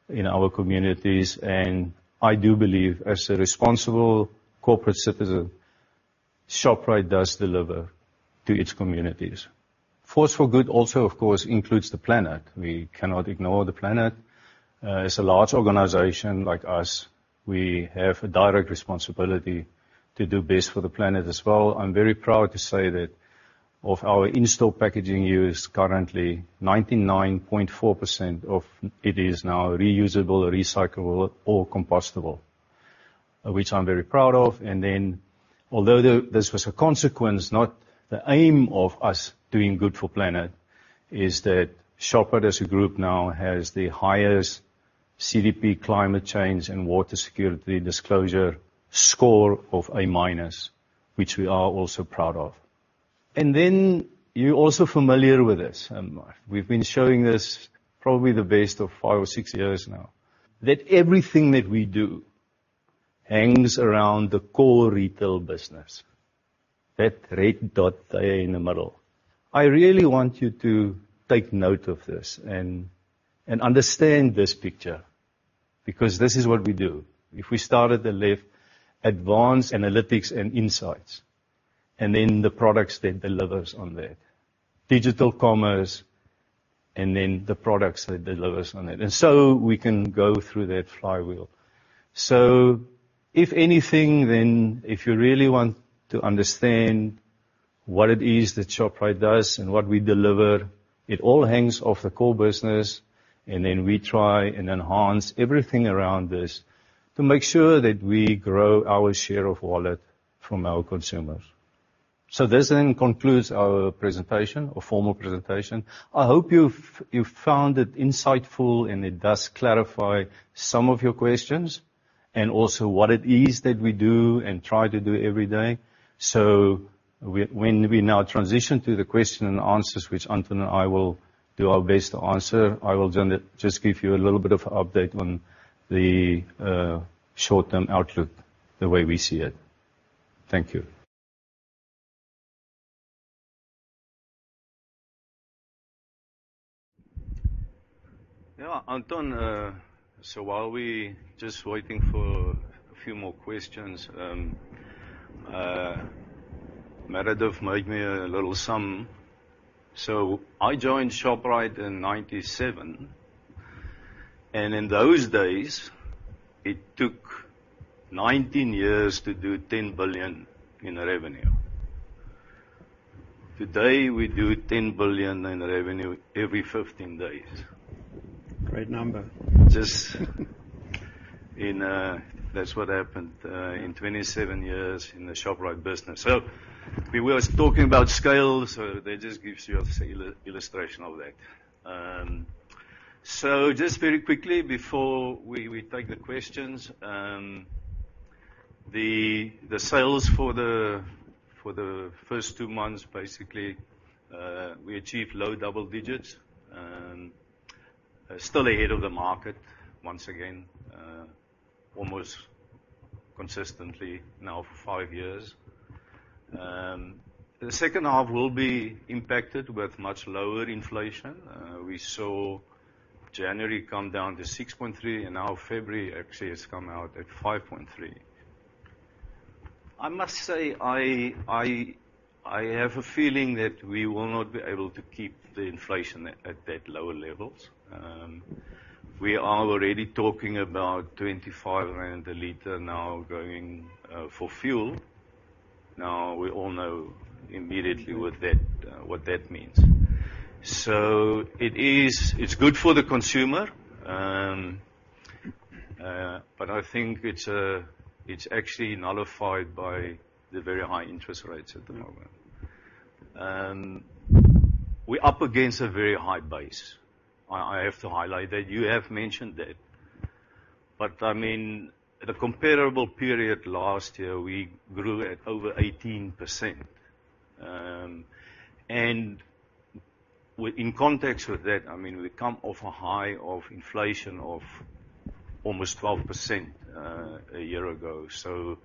in our communities, and I do believe, as a responsible corporate citizen, Shoprite does deliver to its communities. Force for Good also, of course, includes the planet. We cannot ignore the planet. As a large organization like us, we have a direct responsibility to do best for the planet as well. I'm very proud to say that of our in-store packaging use currently, 99.4% of it is now reusable, recyclable, or compostable, which I'm very proud of. And then, although this was a consequence, not the aim of us doing good for planet, is that Shoprite, as a group now, has the highest CDP climate change and water security disclosure score of A minus, which we are also proud of. And then, you're also familiar with this, we've been showing this probably the best of five or six years now, that everything that we do hangs around the core retail business, that red dot there in the middle. I really want you to take note of this and understand this picture because this is what we do. If we start at the left, advanced analytics and insights... and then the products that delivers on that. Digital commerce, and then the products that delivers on it. And so we can go through that flywheel. So if anything, then if you really want to understand what it is that Shoprite does and what we deliver, it all hangs off the core business, and then we try and enhance everything around this to make sure that we grow our share of wallet from our consumers. So this then concludes our presentation, our formal presentation. I hope you've found it insightful, and it does clarify some of your questions, and also what it is that we do and try to do every day. So when we now transition to the question and answers, which Anton and I will do our best to answer, I will then just give you a little bit of an update on the short-term outlook, the way we see it. Thank you. Yeah, Anton, so while we just waiting for a few more questions, Meryl made me a little sum. So I joined Shoprite in 1997, and in those days, it took 19 years to do 10 billion in revenue. Today, we do 10 billion in revenue every 15 days. Great number. Just in. That's what happened in 27 years in the Shoprite business. So we were talking about scale, so that just gives you of an illustration of that. So just very quickly before we take the questions, the sales for the first two months, basically, we achieved low double digits, still ahead of the market once again, almost consistently now for 5 years. The second half will be impacted with much lower inflation. We saw January come down to 6.3%, and now February actually has come out at 5.3%. I must say, I have a feeling that we will not be able to keep the inflation at that lower levels. We are already talking about 25 rand a liter now going for fuel. Now, we all know immediately what that, what that means. So it is, it's good for the consumer, but I think it's, it's actually nullified by the very high interest rates at the moment. We're up against a very high base. I have to highlight that. You have mentioned that. But, I mean, at a comparable period last year, we grew at over 18%. And in context with that, I mean, we come off a high of inflation of almost 12%, a year ago, so...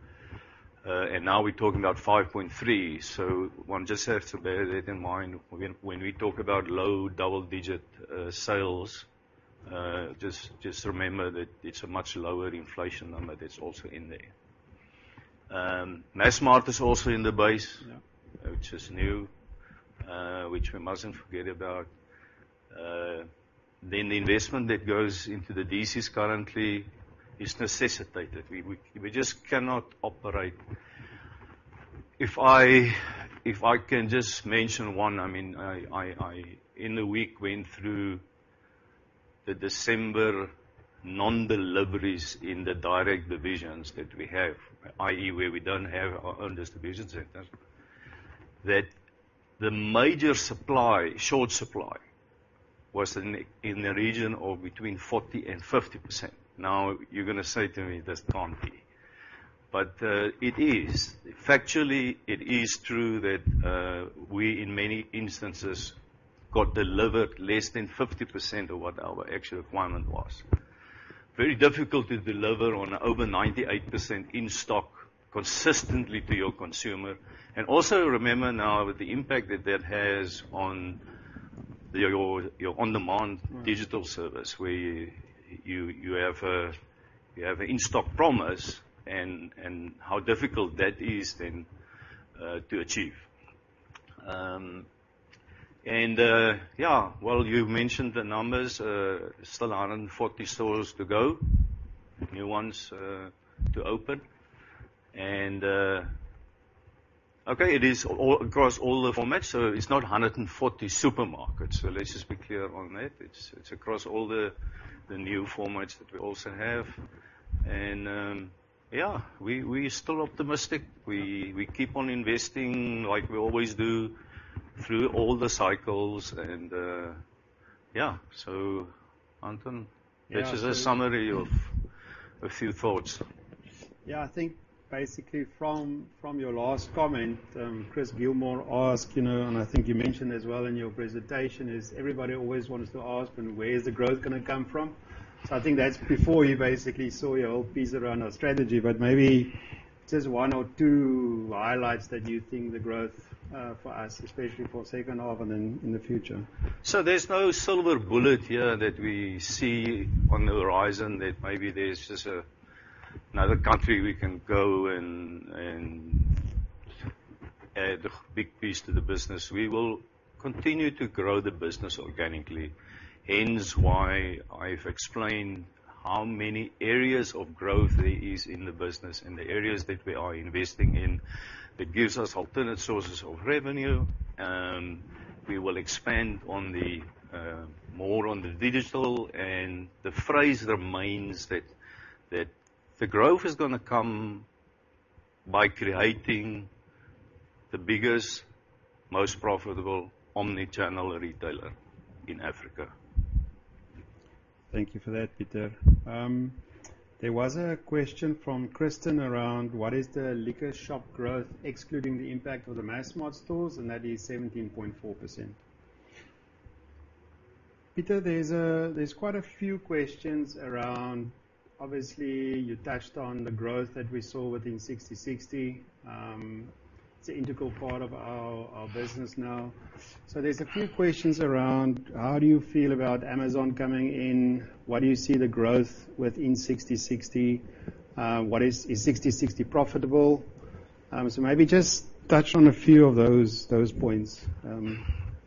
and now we're talking about 5.3. So one just have to bear that in mind when we talk about low double-digit sales, just remember that it's a much lower inflation number that's also in there. Massmart is also in the base- Yeah. which is new, which we mustn't forget about. Then the investment that goes into the DCs currently is necessitated. We just cannot operate... If I can just mention one, I mean, I in the week went through the December non-deliveries in the direct divisions that we have, i.e., where we don't have our own distribution centers, that the major supply short supply was in the region of between 40% and 50%. Now, you're gonna say to me, "This can't be," but it is. Factually, it is true that we in many instances got delivered less than 50% of what our actual requirement was. Very difficult to deliver on over 98% in-stock consistently to your consumer. And also remember now, the impact that that has on your on-demand- digital service, where you have an in-stock promise, and how difficult that is then to achieve. Well, you mentioned the numbers, still 140 stores to go, new ones to open. Okay, it is all across all the formats, so it's not 140 supermarkets. So let's just be clear on that. It's across all the new formats that we also have. Yeah, we still optimistic. We keep on investing like we always do through all the cycles. So, Anton- Yeah, so-... this is a summary of a few thoughts. Yeah, I think basically from your last comment, Chris Gilmour asked, you know, and I think you mentioned as well in your presentation, is everybody always wants to ask: Well, where is the growth gonna come from? So I think that's before you basically saw your whole piece around our strategy, but maybe just one or two highlights that you think the growth for us, especially for second half and then in the future. So there's no silver bullet here that we see on the horizon, that maybe there's just another country we can go and add a big piece to the business. We will continue to grow the business organically, hence why I've explained how many areas of growth there is in the business, and the areas that we are investing in, that gives us alternate sources of revenue. We will expand more on the digital, and the phrase remains that the growth is gonna come by creating the biggest, most profitable omni-channel retailer in Africa. Thank you for that, Pieter. There was a question from Kristen around: What is the LiquorShop growth, excluding the impact of the Massmart stores? And that is 17.4%. Pieter, there's quite a few questions around... Obviously, you touched on the growth that we saw within Sixty60. It's an integral part of our business now. So there's a few questions around: How do you feel about Amazon coming in? What do you see the growth within Sixty60? Is Sixty60 profitable? So maybe just touch on a few of those points.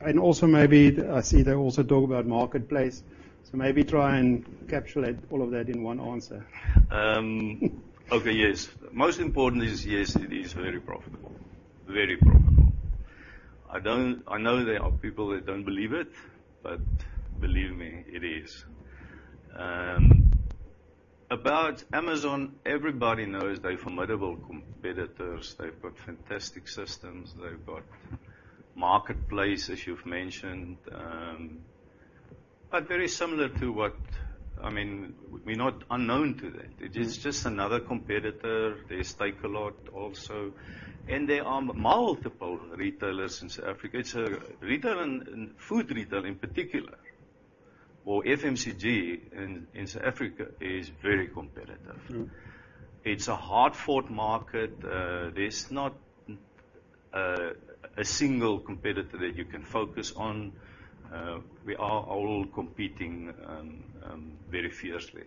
And also maybe, I see they also talk about Marketplace, so maybe try and encapsulate all of that in one answer. Okay, yes. Most important is, yes, it is very profitable. Very profitable. I don't, I know there are people that don't believe it, but believe me, it is. About Amazon, everybody knows they're formidable competitors. They've got fantastic systems. They've got Marketplace, as you've mentioned. But very similar to what... I mean, we're not unknown to them. It's just another competitor. There's Takealot also, and there are multiple retailers in South Africa. So retailer and food retail in particular, or FMCG in South Africa, is very competitive. It's a hard-fought market. There's not a single competitor that you can focus on. We are all competing very fiercely.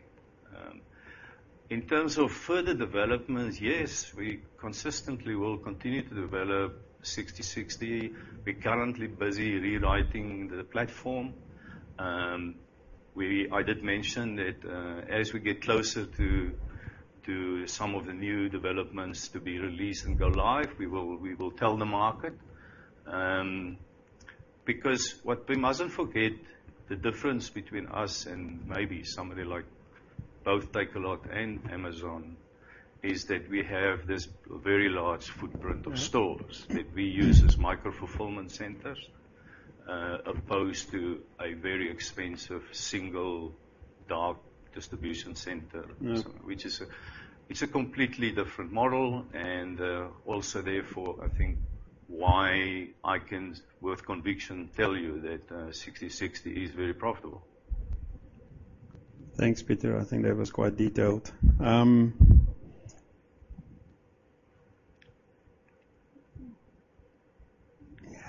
In terms of further developments, yes, we consistently will continue to develop Sixty60. We're currently busy rewriting the platform. I did mention that, as we get closer to some of the new developments to be released and go live, we will tell the market. Because what we mustn't forget, the difference between us and maybe somebody like both Takealot and Amazon, is that we have this very large footprint- Yeah... of stores that we use as micro-fulfillment centers, opposed to a very expensive single dark distribution center. Which is, it's a completely different model, and also therefore, I think why I can, with conviction, tell you that Sixty60 is very profitable. Thanks, Pieter. I think that was quite detailed.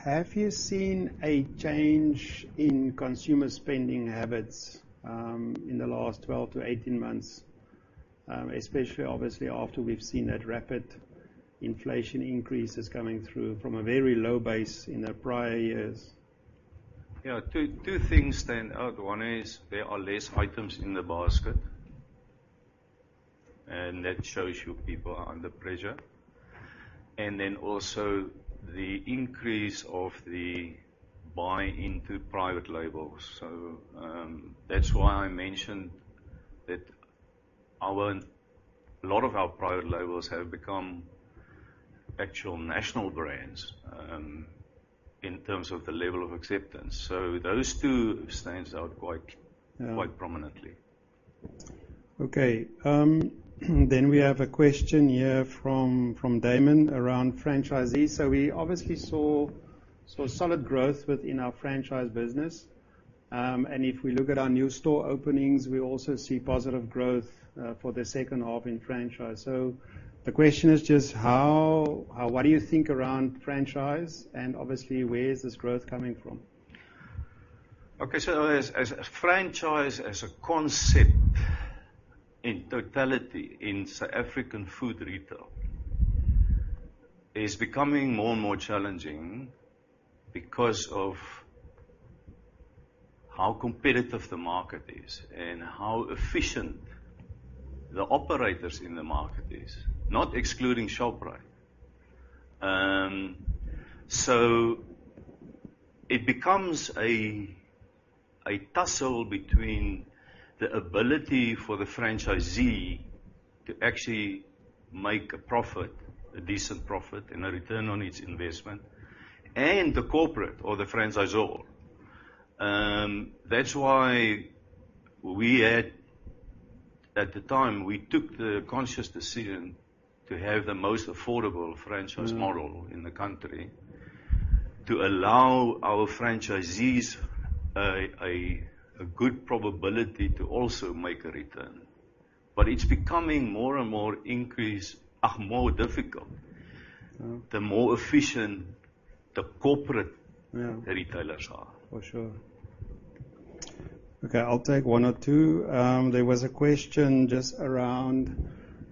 Have you seen a change in consumer spending habits, in the last 12-18 months? Especially obviously after we've seen that rapid inflation increases coming through from a very low base in the prior years. Yeah. Two, two things stand out. One is, there are less items in the basket, and that shows you people are under pressure. And then also the increase of the buy into private labels. So, that's why I mentioned that our, a lot of our private labels have become actual national brands, in terms of the level of acceptance. So those two stands out quite- Yeah... quite prominently. Okay. Then we have a question here from Damon around franchisees. So we obviously saw solid growth within our franchise business. And if we look at our new store openings, we also see positive growth for the second half in franchise. So the question is just how what do you think around franchise, and obviously, where is this growth coming from? Okay. So as a franchise, as a concept in totality in South African food retail, is becoming more and more challenging because of how competitive the market is and how efficient the operators in the market is, not excluding Shoprite. So it becomes a tussle between the ability for the franchisee to actually make a profit, a decent profit, and a return on its investment, and the corporate or the franchisor. That's why we had... At the time, we took the conscious decision to have the most affordable franchise model-... in the country, to allow our franchisees a good probability to also make a return. But it's becoming more and more increased, more difficult- Yeah... the more efficient the corporate- Yeah... retailers are. For sure. Okay, I'll take one or two. There was a question just around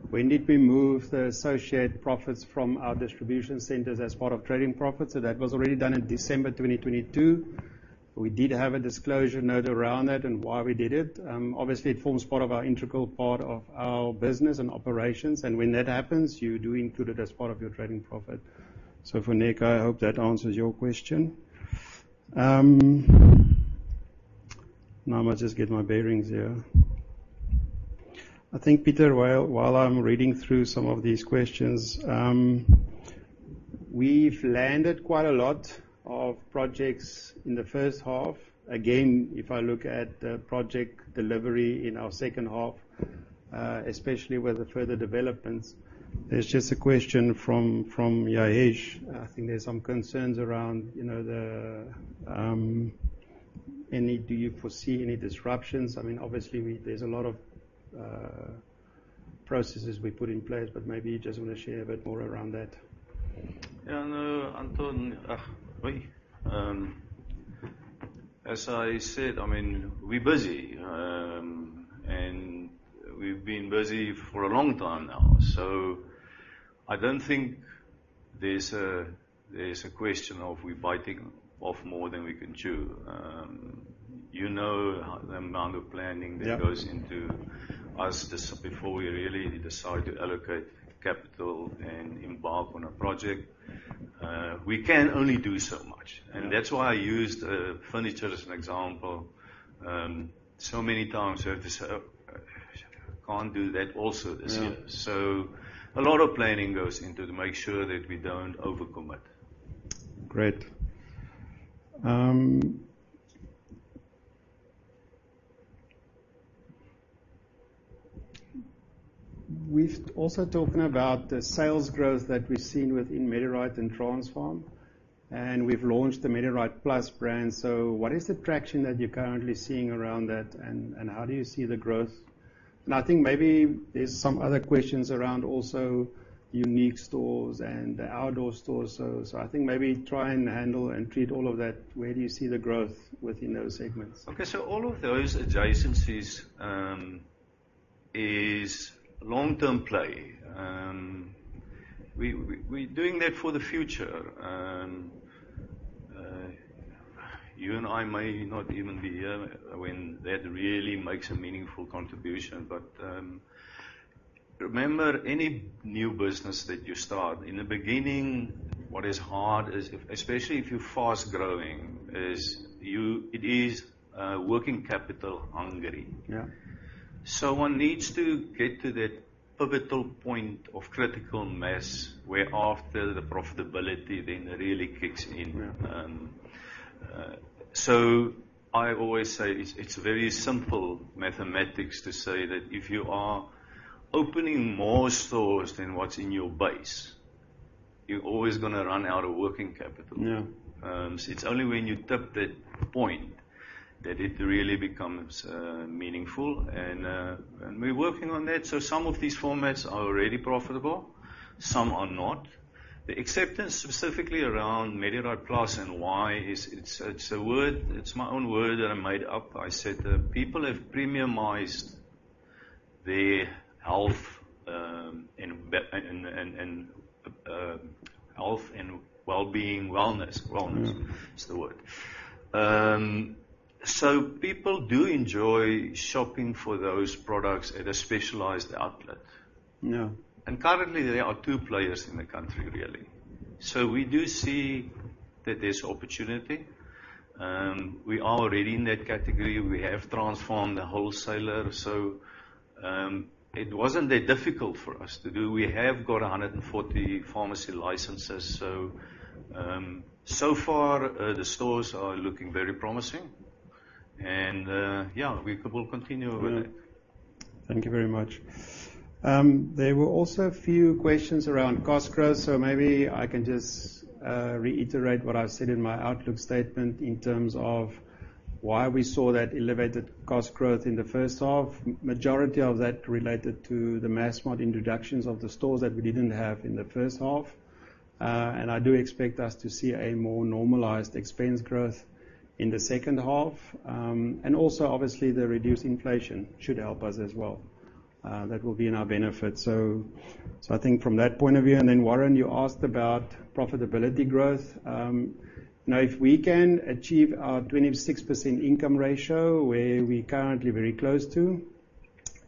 when did we move the associate profits from our distribution centers as part of trading profits? So that was already done in December 2022. We did have a disclosure note around it and why we did it. Obviously, it forms part of our integral part of our business and operations, and when that happens, you do include it as part of your trading profit. So for Nick, I hope that answers your question. Now I must just get my bearings here. I think, Pieter, while I'm reading through some of these questions, we've landed quite a lot of projects in the first half. Again, if I look at the project delivery in our second half, especially with the further developments, there's just a question from Ya'eesh. I think there's some concerns around, you know, the... And did you foresee any disruptions? I mean, obviously, there's a lot of processes we put in place, but maybe you just wanna share a bit more around that. Yeah, no, Anton, wait. As I said, I mean, we're busy, and we've been busy for a long time now, so I don't think there's a question of we biting off more than we can chew. You know, the amount of planning- Yeah... that goes into us just before we really decide to allocate capital and embark on a project. We can only do so much- Yeah... and that's why I used furniture as an example. So many times we have to say, "Can't do that also this year. Yeah. So, a lot of planning goes into it to make sure that we don't overcommit. Great. We've also talking about the sales growth that we've seen within Medirite and Transpharm, and we've launched the Medirite Plus brand. So what is the traction that you're currently seeing around that, and how do you see the growth? And I think maybe there's some other questions around also UNIQ stores and the Outdoor stores. So I think maybe try and handle and treat all of that. Where do you see the growth within those segments? Okay, so all of those adjacencies is long-term play. We doing that for the future. You and I may not even be here when that really makes a meaningful contribution, but remember, any new business that you start, in the beginning, what is hard is, especially if you're fast-growing, is it is working capital hungry. Yeah. One needs to get to that pivotal point of critical mass, whereafter the profitability then really kicks in. Yeah. So I always say it's very simple mathematics to say that if you are opening more stores than what's in your base, you're always gonna run out of working capital. Yeah. So it's only when you tip that point that it really becomes meaningful, and we're working on that. So some of these formats are already profitable, some are not. The acceptance, specifically around Medirite Plus and why, is it's a word. It's my own word that I made up. I said that people have premiumized their health, and health and well-being. Wellness. Wellness is the word. So people do enjoy shopping for those products at a specialized outlet. Yeah. Currently, there are two players in the country, really. So we do see that there's opportunity. We are already in that category. We have transformed the wholesaler, so, it wasn't that difficult for us to do. We have got 140 pharmacy licenses, so, so far, the stores are looking very promising, and, yeah, we will continue with it. Thank you very much. There were also a few questions around cost growth, so maybe I can just reiterate what I've said in my outlook statement in terms of why we saw that elevated cost growth in the first half. Majority of that related to the Massmart introductions of the stores that we didn't have in the first half. And I do expect us to see a more normalized expense growth in the second half. And also, obviously, the reduced inflation should help us as well. That will be in our benefit. So, so I think from that point of view, and then, Warren, you asked about profitability growth. Now, if we can achieve our 26% income ratio, where we're currently very close to,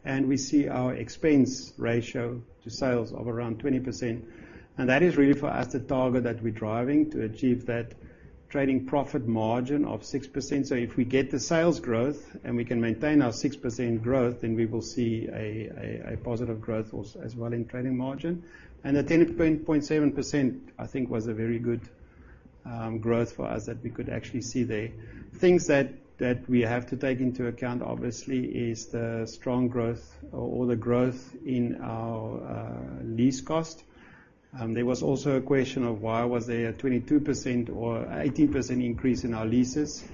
and we see our expense ratio to sales of around 20%, and that is really for us, the target that we're driving to achieve that trading profit margin of 6%. So if we get the sales growth, and we can maintain our 6% growth, then we will see a positive growth also as well in trading margin. And the 10.7%, I think, was a very good growth for us, that we could actually see there. Things that we have to take into account, obviously, is the strong growth in our lease cost. There was also a question of why was there a 22% or 18% increase in our leases?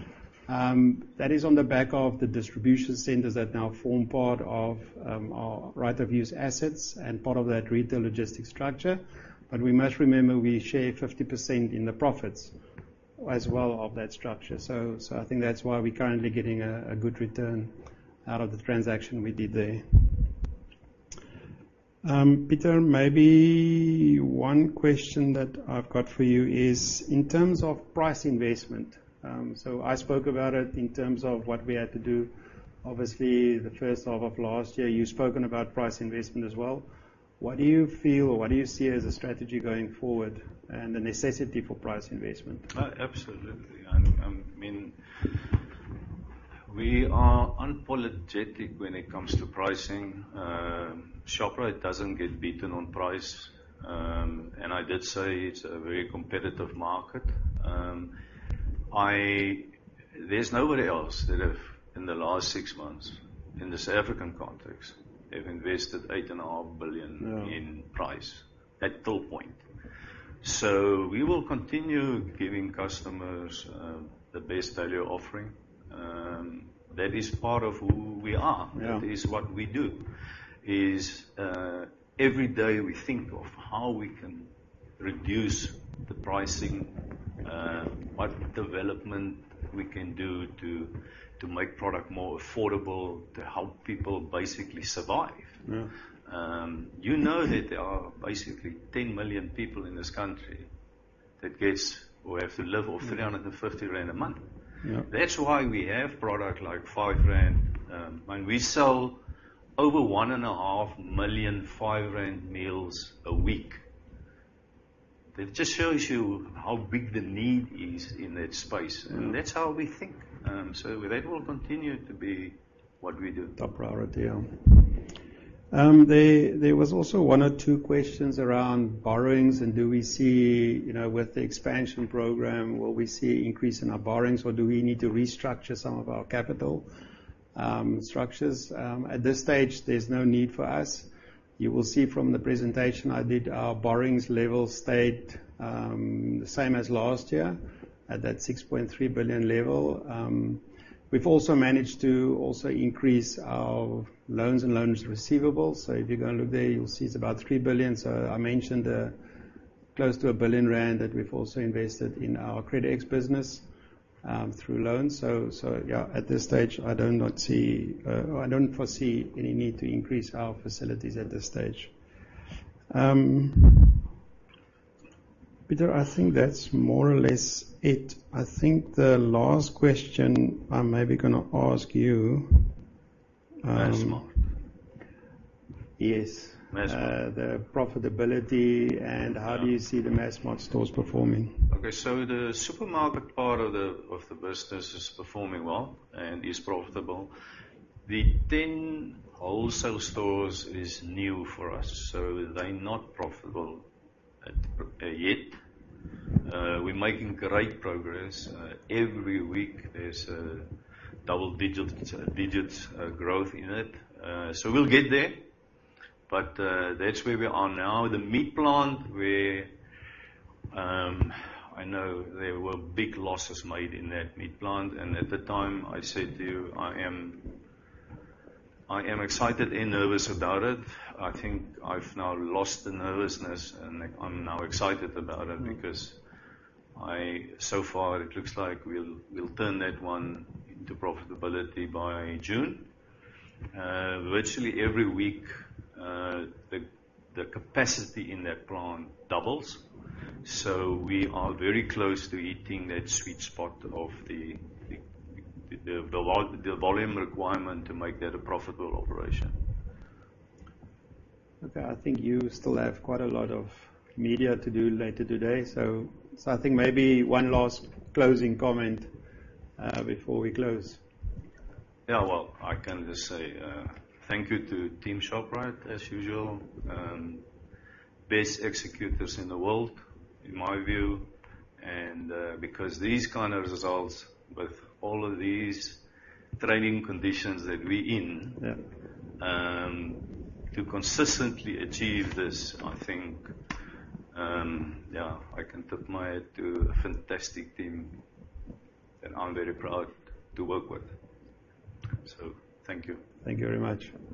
That is on the back of the distribution centers that now form part of our right of use assets and part of that retail logistics structure. But we must remember, we share 50% in the profits as well, of that structure. So, I think that's why we're currently getting a good return out of the transaction we did there. Pieter, maybe one question that I've got for you is, in terms of price investment, so I spoke about it in terms of what we had to do. Obviously, the first half of last year, you've spoken about price investment as well. What do you feel or what do you see as a strategy going forward and the necessity for price investment? Absolutely. And, I mean, we are unapologetic when it comes to pricing. Shoprite doesn't get beaten on price, and I did say it's a very competitive market. There's nobody else that have, in the last six months, in the South African context, have invested 8.5 billion- Yeah in price at till point. So we will continue giving customers the best value offering. That is part of who we are. Yeah. That is what we do every day we think of how we can reduce the pricing, what development we can do to make product more affordable, to help people basically survive. Yeah. You know that there are basically 10 million people in this country who have to live off 350 rand a month. Yeah. That's why we have product like 5 rand. And we sell over 1.5 million 5 rand meals a week. That just shows you how big the need is in that space. Yeah. That's how we think. That will continue to be what we do. Top priority, yeah. There was also one or two questions around borrowings, and do we see, you know, with the expansion program, will we see increase in our borrowings, or do we need to restructure some of our capital structures? At this stage, there's no need for us. You will see from the presentation I did, our borrowings level stayed the same as last year, at that 6.3 billion level. We've also managed to also increase our loans and loans receivables. So if you're gonna look there, you'll see it's about 3 billion. So I mentioned close to a billion rand that we've also invested in our CredEx or credit extension or credit extension business through loans. So, so yeah, at this stage, I do not see. I don't foresee any need to increase our facilities at this stage. Pieter, I think that's more or less it. I think the last question I'm maybe gonna ask you, Massmart. Yes. Massmart. The profitability and how do you see the Massmart stores performing? Okay, so the supermarket part of the business is performing well and is profitable. The 10 wholesale stores is new for us, so they're not profitable at yet. We're making great progress. Every week, there's double-digit growth in it. So we'll get there, but that's where we are now. The meat plant, where I know there were big losses made in that meat plant, and at the time, I said to you, I am excited and nervous about it. I think I've now lost the nervousness, and I'm now excited about it because so far, it looks like we'll turn that one into profitability by June. Virtually every week, the capacity in that plant doubles, so we are very close to hitting that sweet spot of the volume requirement to make that a profitable operation. Okay, I think you still have quite a lot of media to do later today, so I think maybe one last closing comment before we close. Yeah, well, I can just say, thank you to Team Shoprite, as usual. Best executors in the world, in my view, and because these kind of results, with all of these trading conditions that we're in- Yeah... to consistently achieve this, I think, yeah, I can tip my hat to a fantastic team that I'm very proud to work with. So thank you. Thank you very much.